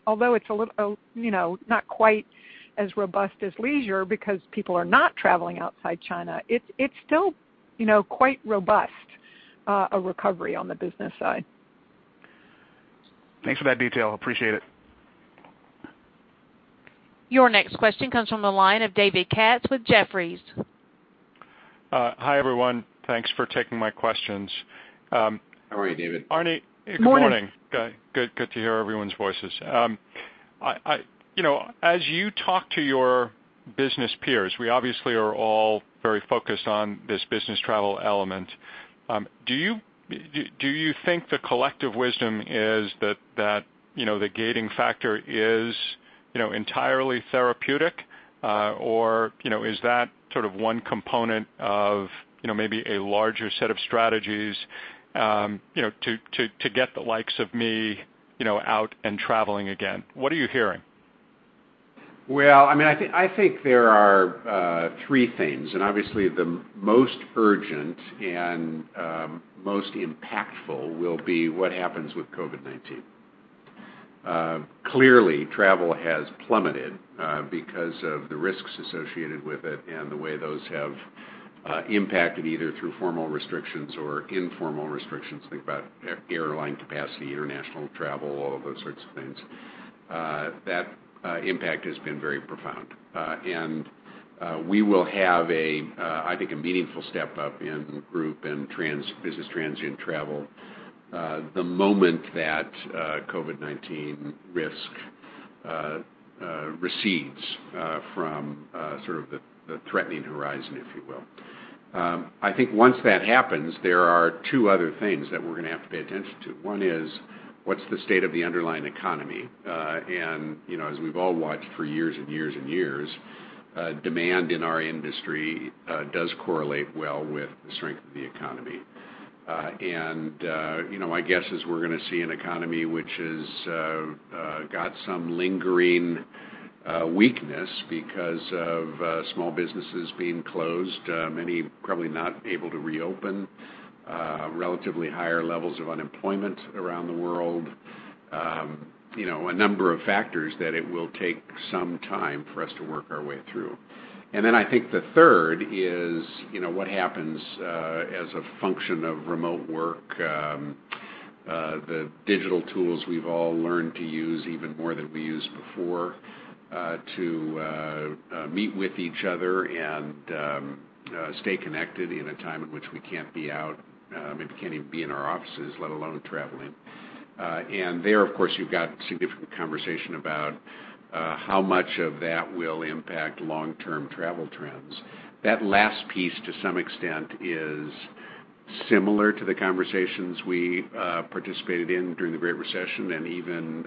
although it's not quite as robust as leisure because people are not traveling outside China, it's still quite robust a recovery on the business side. Thanks for that detail. Appreciate it. Your next question comes from the line of David Katz with Jefferies. Hi, everyone. Thanks for taking my questions. How are you, David? Arne, good morning. Morning. Good. Good to hear everyone's voices. As you talk to your business peers, we obviously are all very focused on this business travel element. Do you think the collective wisdom is that the gating factor is entirely therapeutic? Is that sort of one component of maybe a larger set of strategies to get the likes of me out and traveling again? What are you hearing? I think there are three things, obviously the most urgent and most impactful will be what happens with COVID-19. Clearly, travel has plummeted because of the risks associated with it and the way those have impacted either through formal restrictions or informal restrictions. Think about airline capacity, international travel, all of those sorts of things. That impact has been very profound. We will have, I think, a meaningful step up in group and business transient travel the moment that COVID-19 risk recedes from sort of the threatening horizon, if you will. I think once that happens, there are two other things that we're going to have to pay attention to. One is what's the state of the underlying economy? As we've all watched for years and years and years, demand in our industry does correlate well with the strength of the economy. My guess is we're going to see an economy which has got some lingering weakness because of small businesses being closed, many probably not able to reopen, relatively higher levels of unemployment around the world. A number of factors that it will take some time for us to work our way through. Then I think the third is what happens as a function of remote work, the digital tools we've all learned to use even more than we used before to meet with each other and stay connected in a time in which we can't be out, maybe can't even be in our offices, let alone traveling. There, of course, you've got significant conversation about how much of that will impact long-term travel trends. That last piece, to some extent, is similar to the conversations we participated in during the Great Recession and even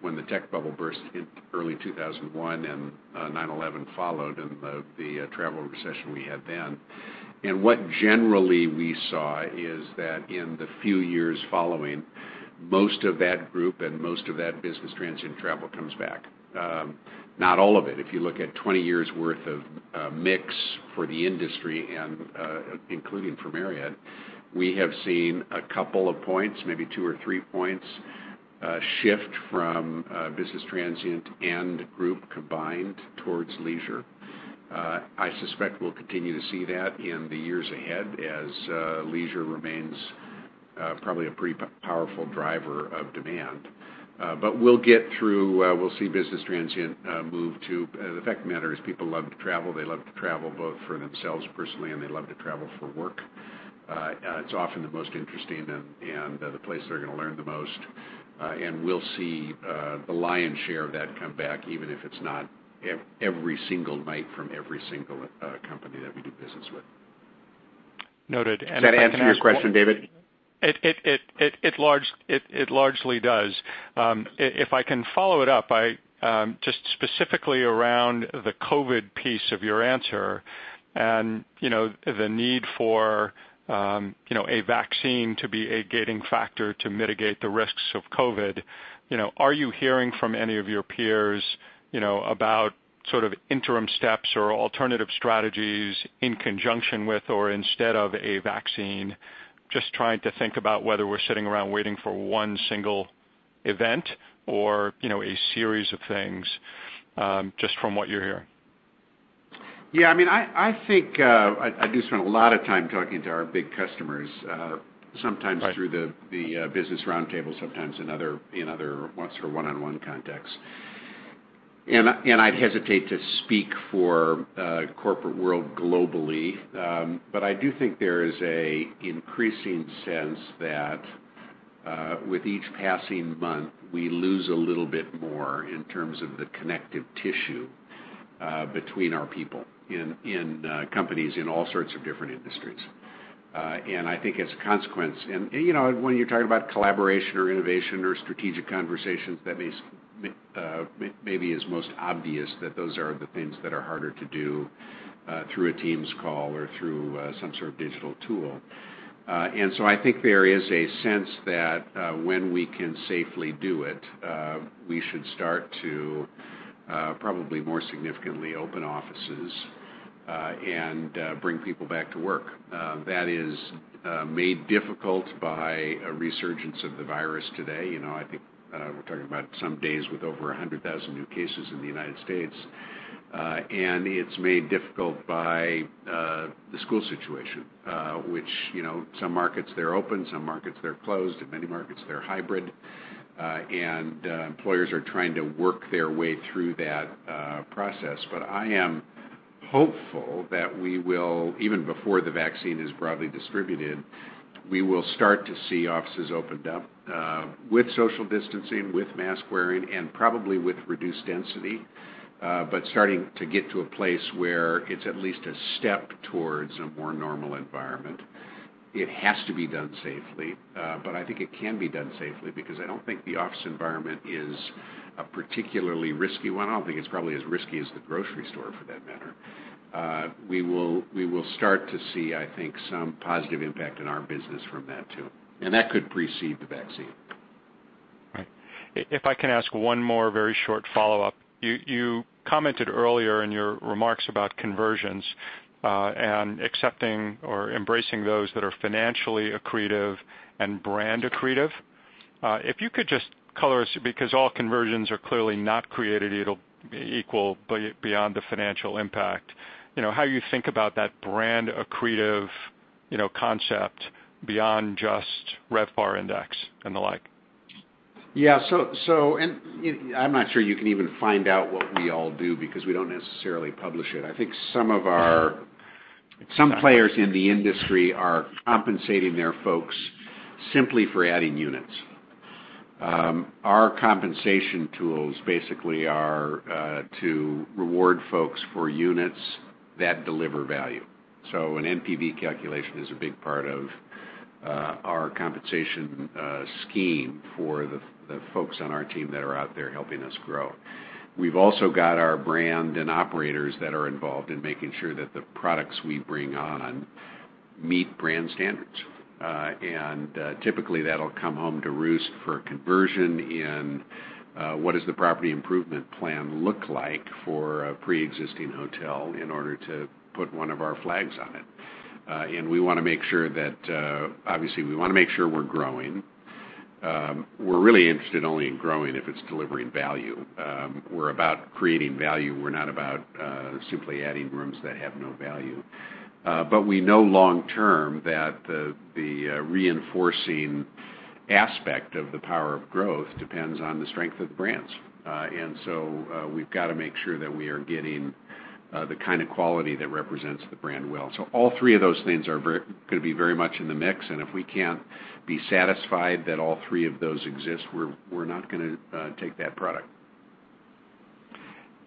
when the tech bubble burst in early 2001 and 9/11 followed and the travel recession we had then. What generally we saw is that in the few years following, most of that group and most of that business transient travel comes back. Not all of it. If you look at 20 years' worth of mix for the industry and including for Marriott, we have seen a couple of points, maybe two or three points shift from business transient and group combined towards leisure. I suspect we'll continue to see that in the years ahead as leisure remains probably a pretty powerful driver of demand. The fact of the matter is people love to travel. They love to travel both for themselves personally, and they love to travel for work. It's often the most interesting and the place they're going to learn the most. We'll see the lion's share of that come back, even if it's not every single night from every single company that we do business with. Noted. Does that answer your question, David? It largely does. If I can follow it up by just specifically around the COVID piece of your answer and the need for a vaccine to be a gating factor to mitigate the risks of COVID. Are you hearing from any of your peers about sort of interim steps or alternative strategies in conjunction with or instead of a vaccine? Just trying to think about whether we're sitting around waiting for one single event or a series of things, just from what you're hearing. Yeah, I think I do spend a lot of time talking to our big customers, sometimes through the Business Roundtable, sometimes in other one-on-one contexts. I'd hesitate to speak for corporate world globally. I do think there is an increasing sense that with each passing month, we lose a little bit more in terms of the connective tissue between our people in companies in all sorts of different industries. I think as a consequence, when you're talking about collaboration or innovation or strategic conversations, that maybe is most obvious that those are the things that are harder to do through a Teams call or through some sort of digital tool. I think there is a sense that when we can safely do it, we should start to probably more significantly open offices and bring people back to work. That is made difficult by a resurgence of the virus today. I think we're talking about some days with over 100,000 new cases in the United States. It's made difficult by the school situation which some markets they're open, some markets they're closed, in many markets, they're hybrid. Employers are trying to work their way through that process. I am hopeful that even before the vaccine is broadly distributed, we will start to see offices opened up with social distancing, with mask wearing, and probably with reduced density, but starting to get to a place where it's at least a step towards a more normal environment. It has to be done safely, but I think it can be done safely because I don't think the office environment is a particularly risky one. I don't think it's probably as risky as the grocery store for that matter. We will start to see, I think, some positive impact in our business from that too. That could precede the vaccine. Right. If I can ask one more very short follow-up. You commented earlier in your remarks about conversions and accepting or embracing those that are financially accretive and brand accretive. If you could just color us, because all conversions are clearly not created equal beyond the financial impact, how you think about that brand accretive concept beyond just RevPAR index and the like? I'm not sure you can even find out what we all do because we don't necessarily publish it. I think some players in the industry are compensating their folks simply for adding units. Our compensation tools basically are to reward folks for units that deliver value. An NPV calculation is a big part of our compensation scheme for the folks on our team that are out there helping us grow. We've also got our brand and operators that are involved in making sure that the products we bring on meet brand standards. Typically that'll come home to roost for a conversion in what does the property improvement plan look like for a preexisting hotel in order to put one of our flags on it? We want to make sure we're growing. We're really interested only in growing if it's delivering value. We're about creating value. We're not about simply adding rooms that have no value. We know long term that the reinforcing aspect of the power of growth depends on the strength of the brands. We've got to make sure that we are getting the kind of quality that represents the brand well. All three of those things are going to be very much in the mix, and if we can't be satisfied that all three of those exist, we're not going to take that product.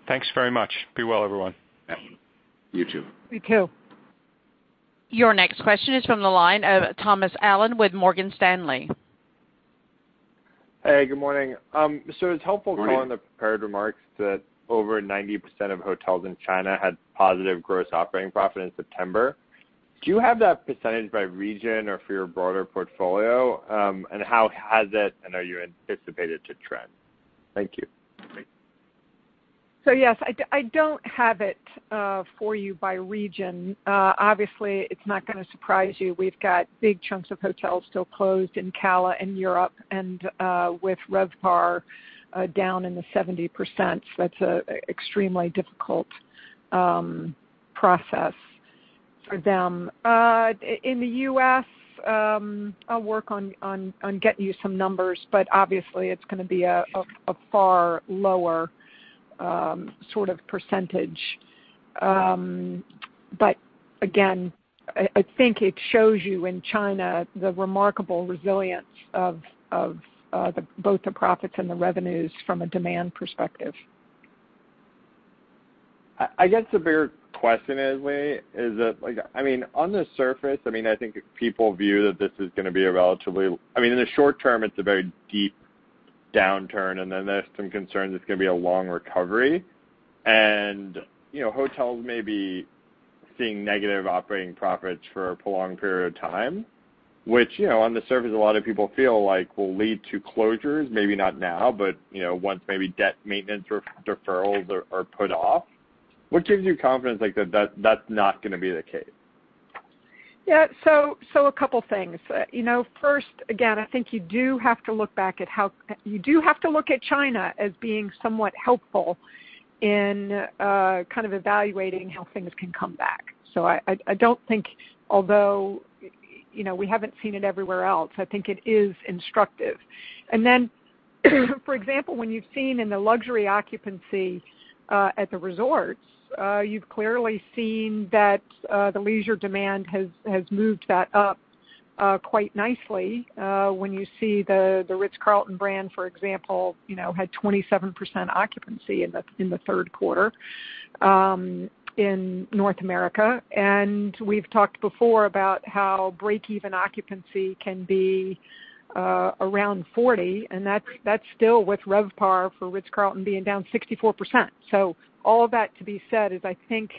Thanks very much. Be well, everyone. You too. You too. Your next question is from the line of Thomas Allen with Morgan Stanley. Hey, good morning. Good morning. Call on the prepared remarks that over 90% of hotels in China had positive gross operating profit in September. Do you have that percentage by region or for your broader portfolio? Are you anticipating it to trend? Thank you. Yes, I don't have it for you by region. Obviously, it's not going to surprise you. We've got big chunks of hotels still closed in CALA and Europe, and with RevPAR down in the 70%, that's an extremely difficult process for them. In the U.S., I'll work on getting you some numbers, obviously it's going to be a far lower sort of percentage. Again, I think it shows you in China the remarkable resilience of both the profits and the revenues from a demand perspective. I guess the bigger question is that on the surface, I think people view that in the short term, it's a very deep downturn, and then there's some concern it's going to be a long recovery. Hotels may be seeing negative operating profits for a prolonged period of time, which on the surface a lot of people feel like will lead to closures, maybe not now, but once maybe debt maintenance or deferrals are put off. What gives you confidence that that's not going to be the case? Yeah, so a couple things. First, again, I think you do have to look at China as being somewhat helpful in evaluating how things can come back. I don't think, although we haven't seen it everywhere else, I think it is instructive. Then, for example, when you've seen in the luxury occupancy at the resorts, you've clearly seen that the leisure demand has moved that up quite nicely. When you see The Ritz-Carlton brand, for example, had 27% occupancy in the third quarter in North America. We've talked before about how breakeven occupancy can be around 40, and that's still with RevPAR for The Ritz-Carlton being down 64%. All that to be said is I think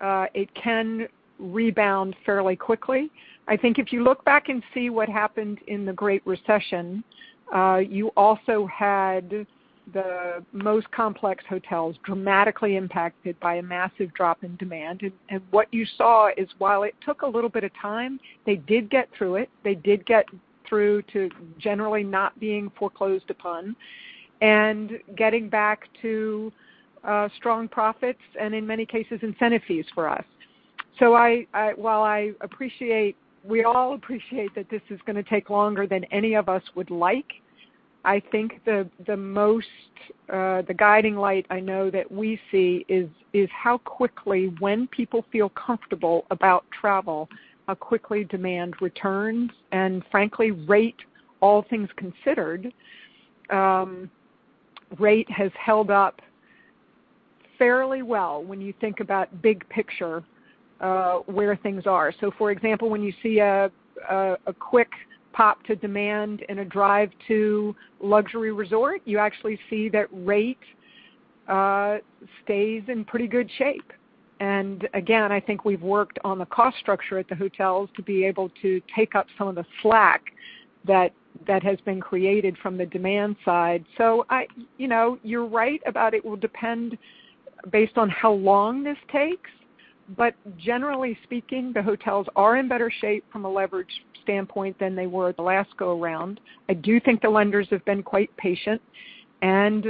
it can rebound fairly quickly. I think if you look back and see what happened in the Great Recession, you also had the most complex hotels dramatically impacted by a massive drop in demand. What you saw is while it took a little bit of time, they did get through it. They did get through to generally not being foreclosed upon and getting back to strong profits and in many cases, incentive fees for us. While we all appreciate that this is going to take longer than any of us would like, I think the guiding light I know that we see is how quickly, when people feel comfortable about travel, how quickly demand returns and frankly, rate, all things considered, rate has held up fairly well when you think about big picture where things are. For example, when you see a quick pop to demand and a drive to luxury resort, you actually see that rate stays in pretty good shape. Again, I think we've worked on the cost structure at the hotels to be able to take up some of the slack that has been created from the demand side. You're right about it will depend based on how long this takes, but generally speaking, the hotels are in better shape from a leverage standpoint than they were the last go around. I do think the lenders have been quite patient, and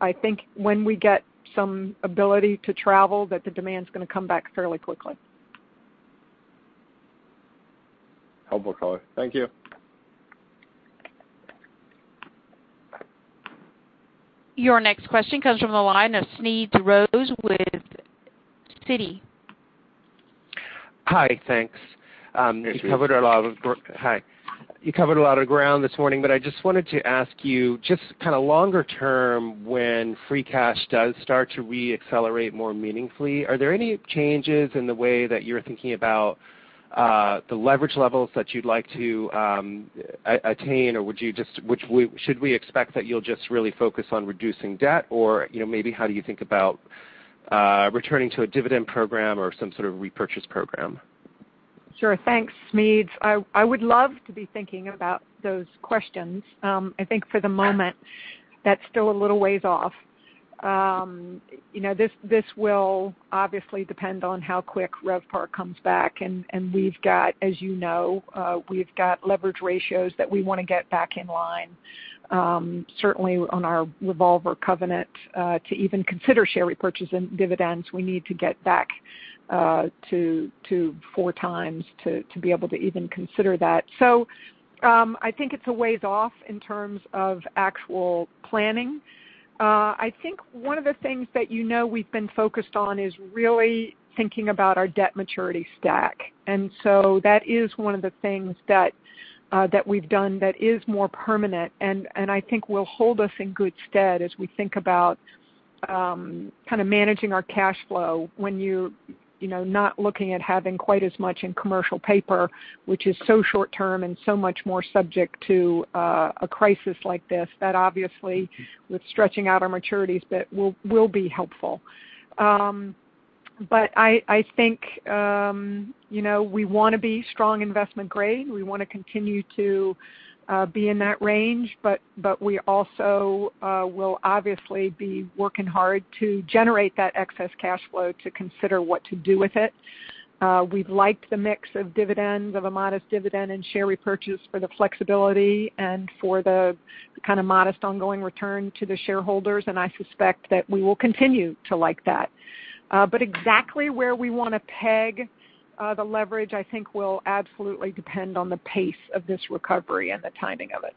I think when we get some ability to travel that the demand is going to come back fairly quickly. Helpful color. Thank you. Your next question comes from the line of Smedes Rose with Citi. Hi. Thanks. Smedes. Hi. I just wanted to ask you just longer term when free cash does start to re-accelerate more meaningfully, are there any changes in the way that you're thinking about the leverage levels that you'd like to attain, or should we expect that you'll just really focus on reducing debt or, maybe how do you think about returning to a dividend program or some sort of repurchase program? Sure. Thanks, Smedes. I would love to be thinking about those questions. I think for the moment, that's still a little ways off. This will obviously depend on how quick RevPAR comes back, and we've got, as you know, we've got leverage ratios that we want to get back in line. Certainly on our revolver covenant to even consider share repurchase and dividends, we need to get back to 4 times to be able to even consider that. I think it's a ways off in terms of actual planning. I think one of the things that you know we've been focused on is really thinking about our debt maturity stack. That is one of the things that we've done that is more permanent and I think will hold us in good stead as we think about managing our cash flow when you're not looking at having quite as much in commercial paper, which is so short-term and so much more subject to a crisis like this that obviously with stretching out our maturities will be helpful. I think we want to be strong investment grade. We want to continue to be in that range, but we also will obviously be working hard to generate that excess cash flow to consider what to do with it. We've liked the mix of dividends, of a modest dividend and share repurchase for the flexibility and for the modest ongoing return to the shareholders, and I suspect that we will continue to like that. Exactly where we want to peg the leverage, I think will absolutely depend on the pace of this recovery and the timing of it.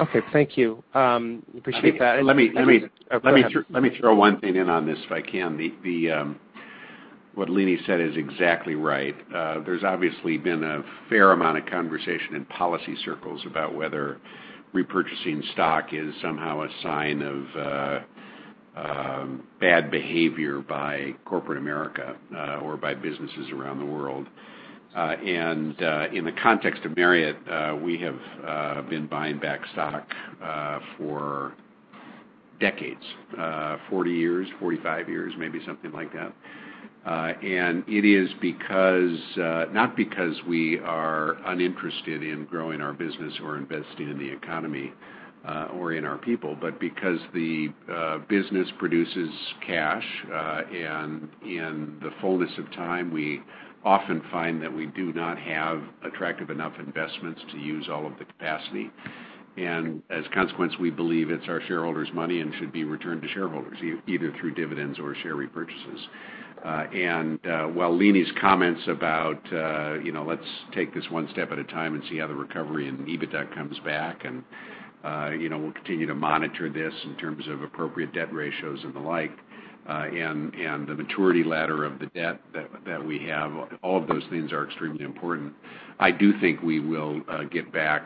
Okay. Thank you. Appreciate that. Let me- Oh, go ahead ...let me throw one thing in on this if I can. What Leeny said is exactly right. There's obviously been a fair amount of conversation in policy circles about whether repurchasing stock is somehow a sign of bad behavior by corporate America or by businesses around the world. In the context of Marriott, we have been buying back stock for decades. 40 years, 45 years, maybe something like that. It is not because we are uninterested in growing our business or investing in the economy, or in our people, but because the business produces cash. In the fullness of time, we often find that we do not have attractive enough investments to use all of the capacity. As a consequence, we believe it's our shareholders' money and should be returned to shareholders, either through dividends or share repurchases. While Leeny's comments about let's take this one step at a time and see how the recovery and EBITDA comes back, we'll continue to monitor this in terms of appropriate debt ratios and the like, and the maturity ladder of the debt that we have. All of those things are extremely important. I do think we will get back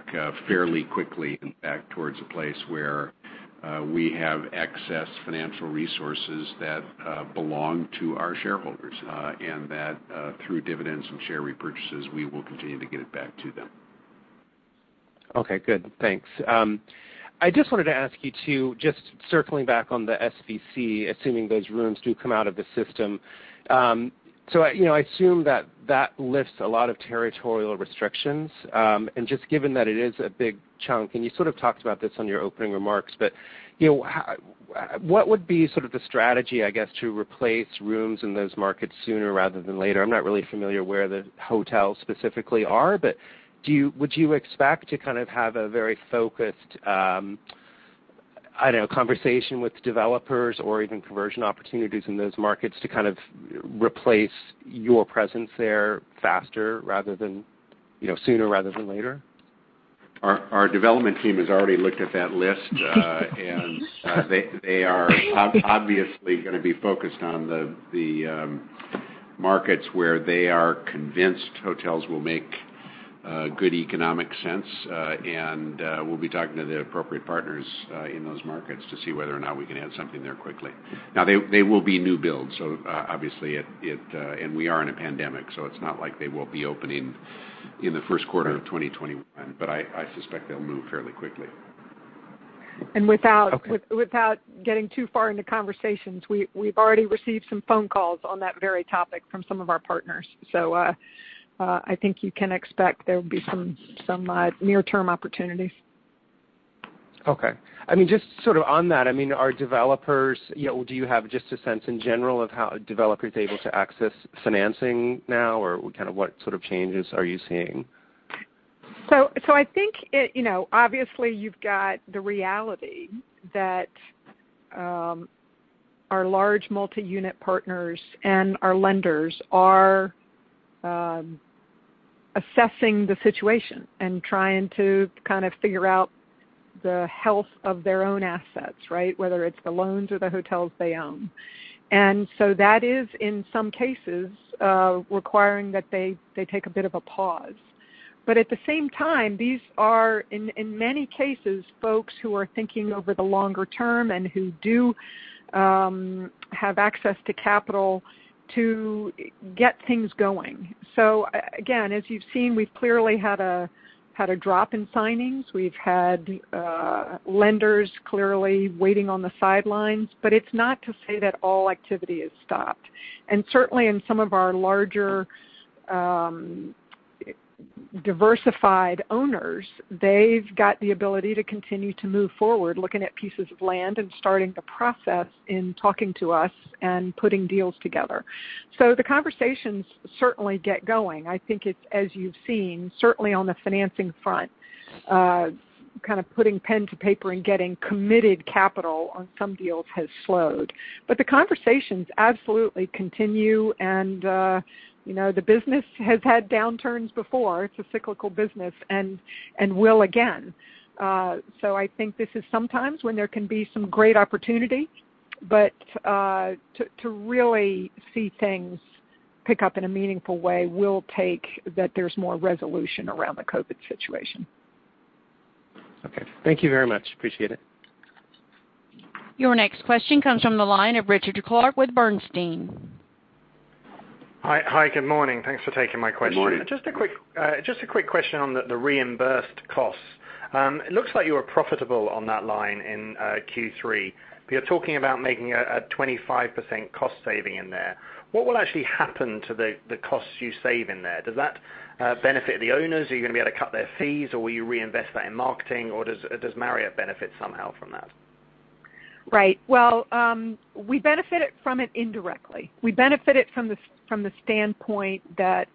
fairly quickly, in fact, towards a place where we have excess financial resources that belong to our shareholders. That through dividends and share repurchases, we will continue to give back to them. Okay, good. Thanks. I just wanted to ask you to, just circling back on the SVC, assuming those rooms do come out of the system. I assume that that lifts a lot of territorial restrictions, and just given that it is a big chunk, and you sort of talked about this on your opening remarks, but what would be sort of the strategy, I guess, to replace rooms in those markets sooner rather than later? I'm not really familiar where the hotels specifically are, but would you expect to kind of have a very focused conversation with developers or even conversion opportunities in those markets to kind of replace your presence there faster rather than sooner rather than later? Our development team has already looked at that list, and they are obviously going to be focused on the markets where they are convinced hotels will make good economic sense. We'll be talking to the appropriate partners in those markets to see whether or not we can add something there quickly. Now they will be new builds, so obviously, and we are in a pandemic, so it's not like they will be opening in the first quarter of 2021, but I suspect they'll move fairly quickly. Without getting too far into conversations, we've already received some phone calls on that very topic from some of our partners. I think you can expect there will be some near-term opportunities. Okay. Just sort of on that, do you have just a sense in general of how a developer is able to access financing now? Kind of what sort of changes are you seeing? I think, obviously you've got the reality that our large multi-unit partners and our lenders are assessing the situation and trying to kind of figure out the health of their own assets, right? Whether it's the loans or the hotels they own. That is, in some cases, requiring that they take a bit of a pause. At the same time, these are, in many cases, folks who are thinking over the longer term and who do have access to capital to get things going. Again, as you've seen, we've clearly had a drop in signings. We've had lenders clearly waiting on the sidelines, but it's not to say that all activity has stopped. Certainly in some of our larger diversified owners, they've got the ability to continue to move forward, looking at pieces of land and starting the process in talking to us and putting deals together. The conversations certainly get going. I think it's, as you've seen, certainly on the financing front, kind of putting pen to paper and getting committed capital on some deals has slowed. The conversations absolutely continue, and the business has had downturns before. It's a cyclical business, and will again. I think this is sometimes when there can be some great opportunity, but to really see things pick up in a meaningful way will take that there's more resolution around the COVID situation. Okay. Thank you very much. Appreciate it. Your next question comes from the line of Richard Clarke with Bernstein. Hi, good morning. Thanks for taking my question. Good morning. Just a quick question on the reimbursed costs. It looks like you were profitable on that line in Q3. You're talking about making a 25% cost saving in there. What will actually happen to the costs you save in there? Does that benefit the owners? Are you going to be able to cut their fees, or will you reinvest that in marketing, or does Marriott benefit somehow from that? Right. Well, we benefit from it indirectly. We benefit it from the standpoint that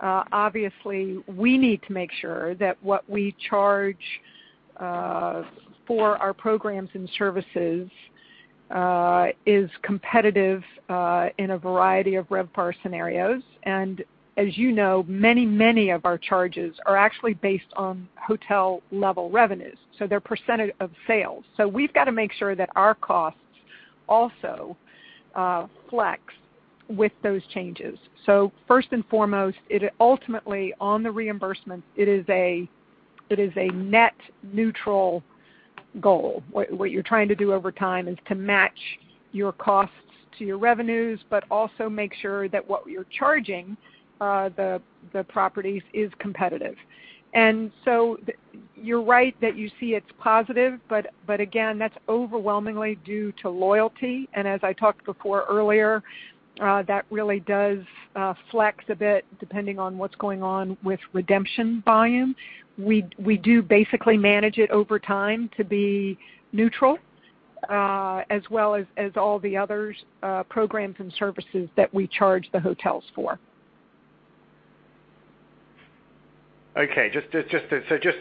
obviously we need to make sure that what we charge for our programs and services is competitive in a variety of RevPAR scenarios. As you know, many of our charges are actually based on hotel level revenues, so they're percentage of sales. We've got to make sure that our costs also flex with those changes. First and foremost, ultimately on the reimbursement, it is a net neutral goal. What you're trying to do over time is to match your costs to your revenues but also make sure that what you're charging the properties is competitive. You're right that you see it's positive, but again, that's overwhelmingly due to loyalty. As I talked before, earlier, that really does flex a bit depending on what's going on with redemption volume. We do basically manage it over time to be neutral, as well as all the other programs and services that we charge the hotels for. Okay. Just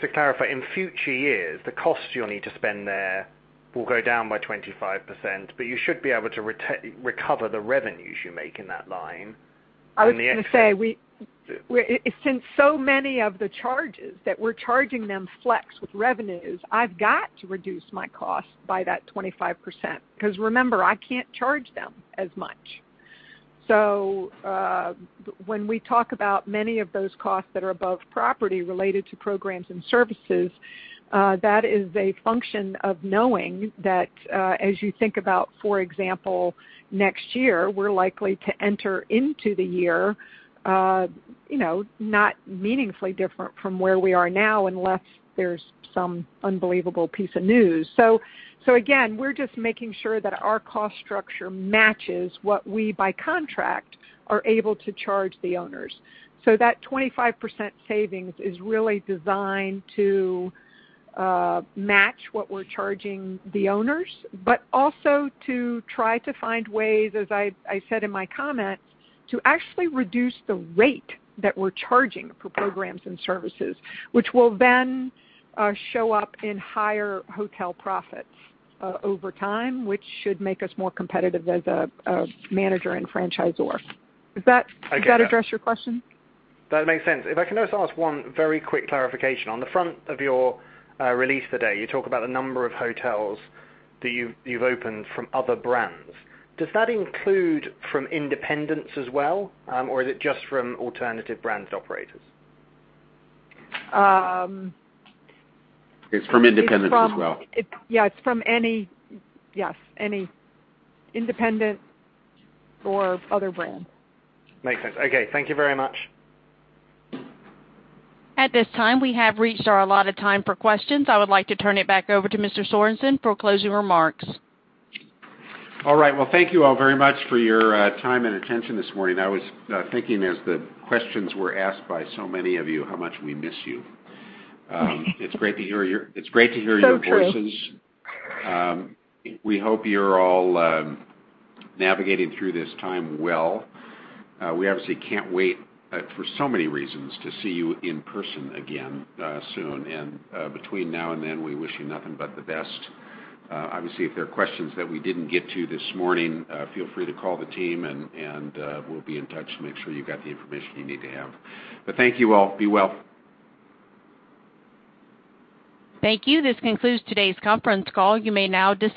to clarify, in future years, the costs you'll need to spend there will go down by 25%, but you should be able to recover the revenues you make in that line? I was going to say, since so many of the charges that we're charging them flex with revenues, I've got to reduce my cost by that 25%, because remember, I can't charge them as much. When we talk about many of those costs that are above property related to programs and services, that is a function of knowing that, as you think about, for example, next year, we're likely to enter into the year, not meaningfully different from where we are now unless there's some unbelievable piece of news. Again, we're just making sure that our cost structure matches what we, by contract, are able to charge the owners. That 25% savings is really designed to match what we're charging the owners, but also to try to find ways, as I said in my comments, to actually reduce the rate that we're charging for programs and services, which will then show up in higher hotel profits over time, which should make us more competitive as a manager and franchisor. Does that address your question? That makes sense. If I can just ask one very quick clarification. On the front of your release today, you talk about the number of hotels that you've opened from other brands. Does that include from independents as well, or is it just from alternative brands operators? It’s from independents as well. Yeah, it's from any, yes, any independent or other brand. Makes sense. Okay. Thank you very much. At this time, we have reached our allotted time for questions. I would like to turn it back over to Mr. Sorenson for closing remarks. All right. Well, thank you all very much for your time and attention this morning. I was thinking as the questions were asked by so many of you, how much we miss you. It's great to hear your voices. True. We hope you're all navigating through this time well. We obviously can't wait, for so many reasons, to see you in person again soon. Between now and then, we wish you nothing but the best. Obviously, if there are questions that we didn't get to this morning, feel free to call the team, and we'll be in touch to make sure you've got the information you need to have. Thank you all. Be well. Thank you. This concludes today's conference call. You may now disc-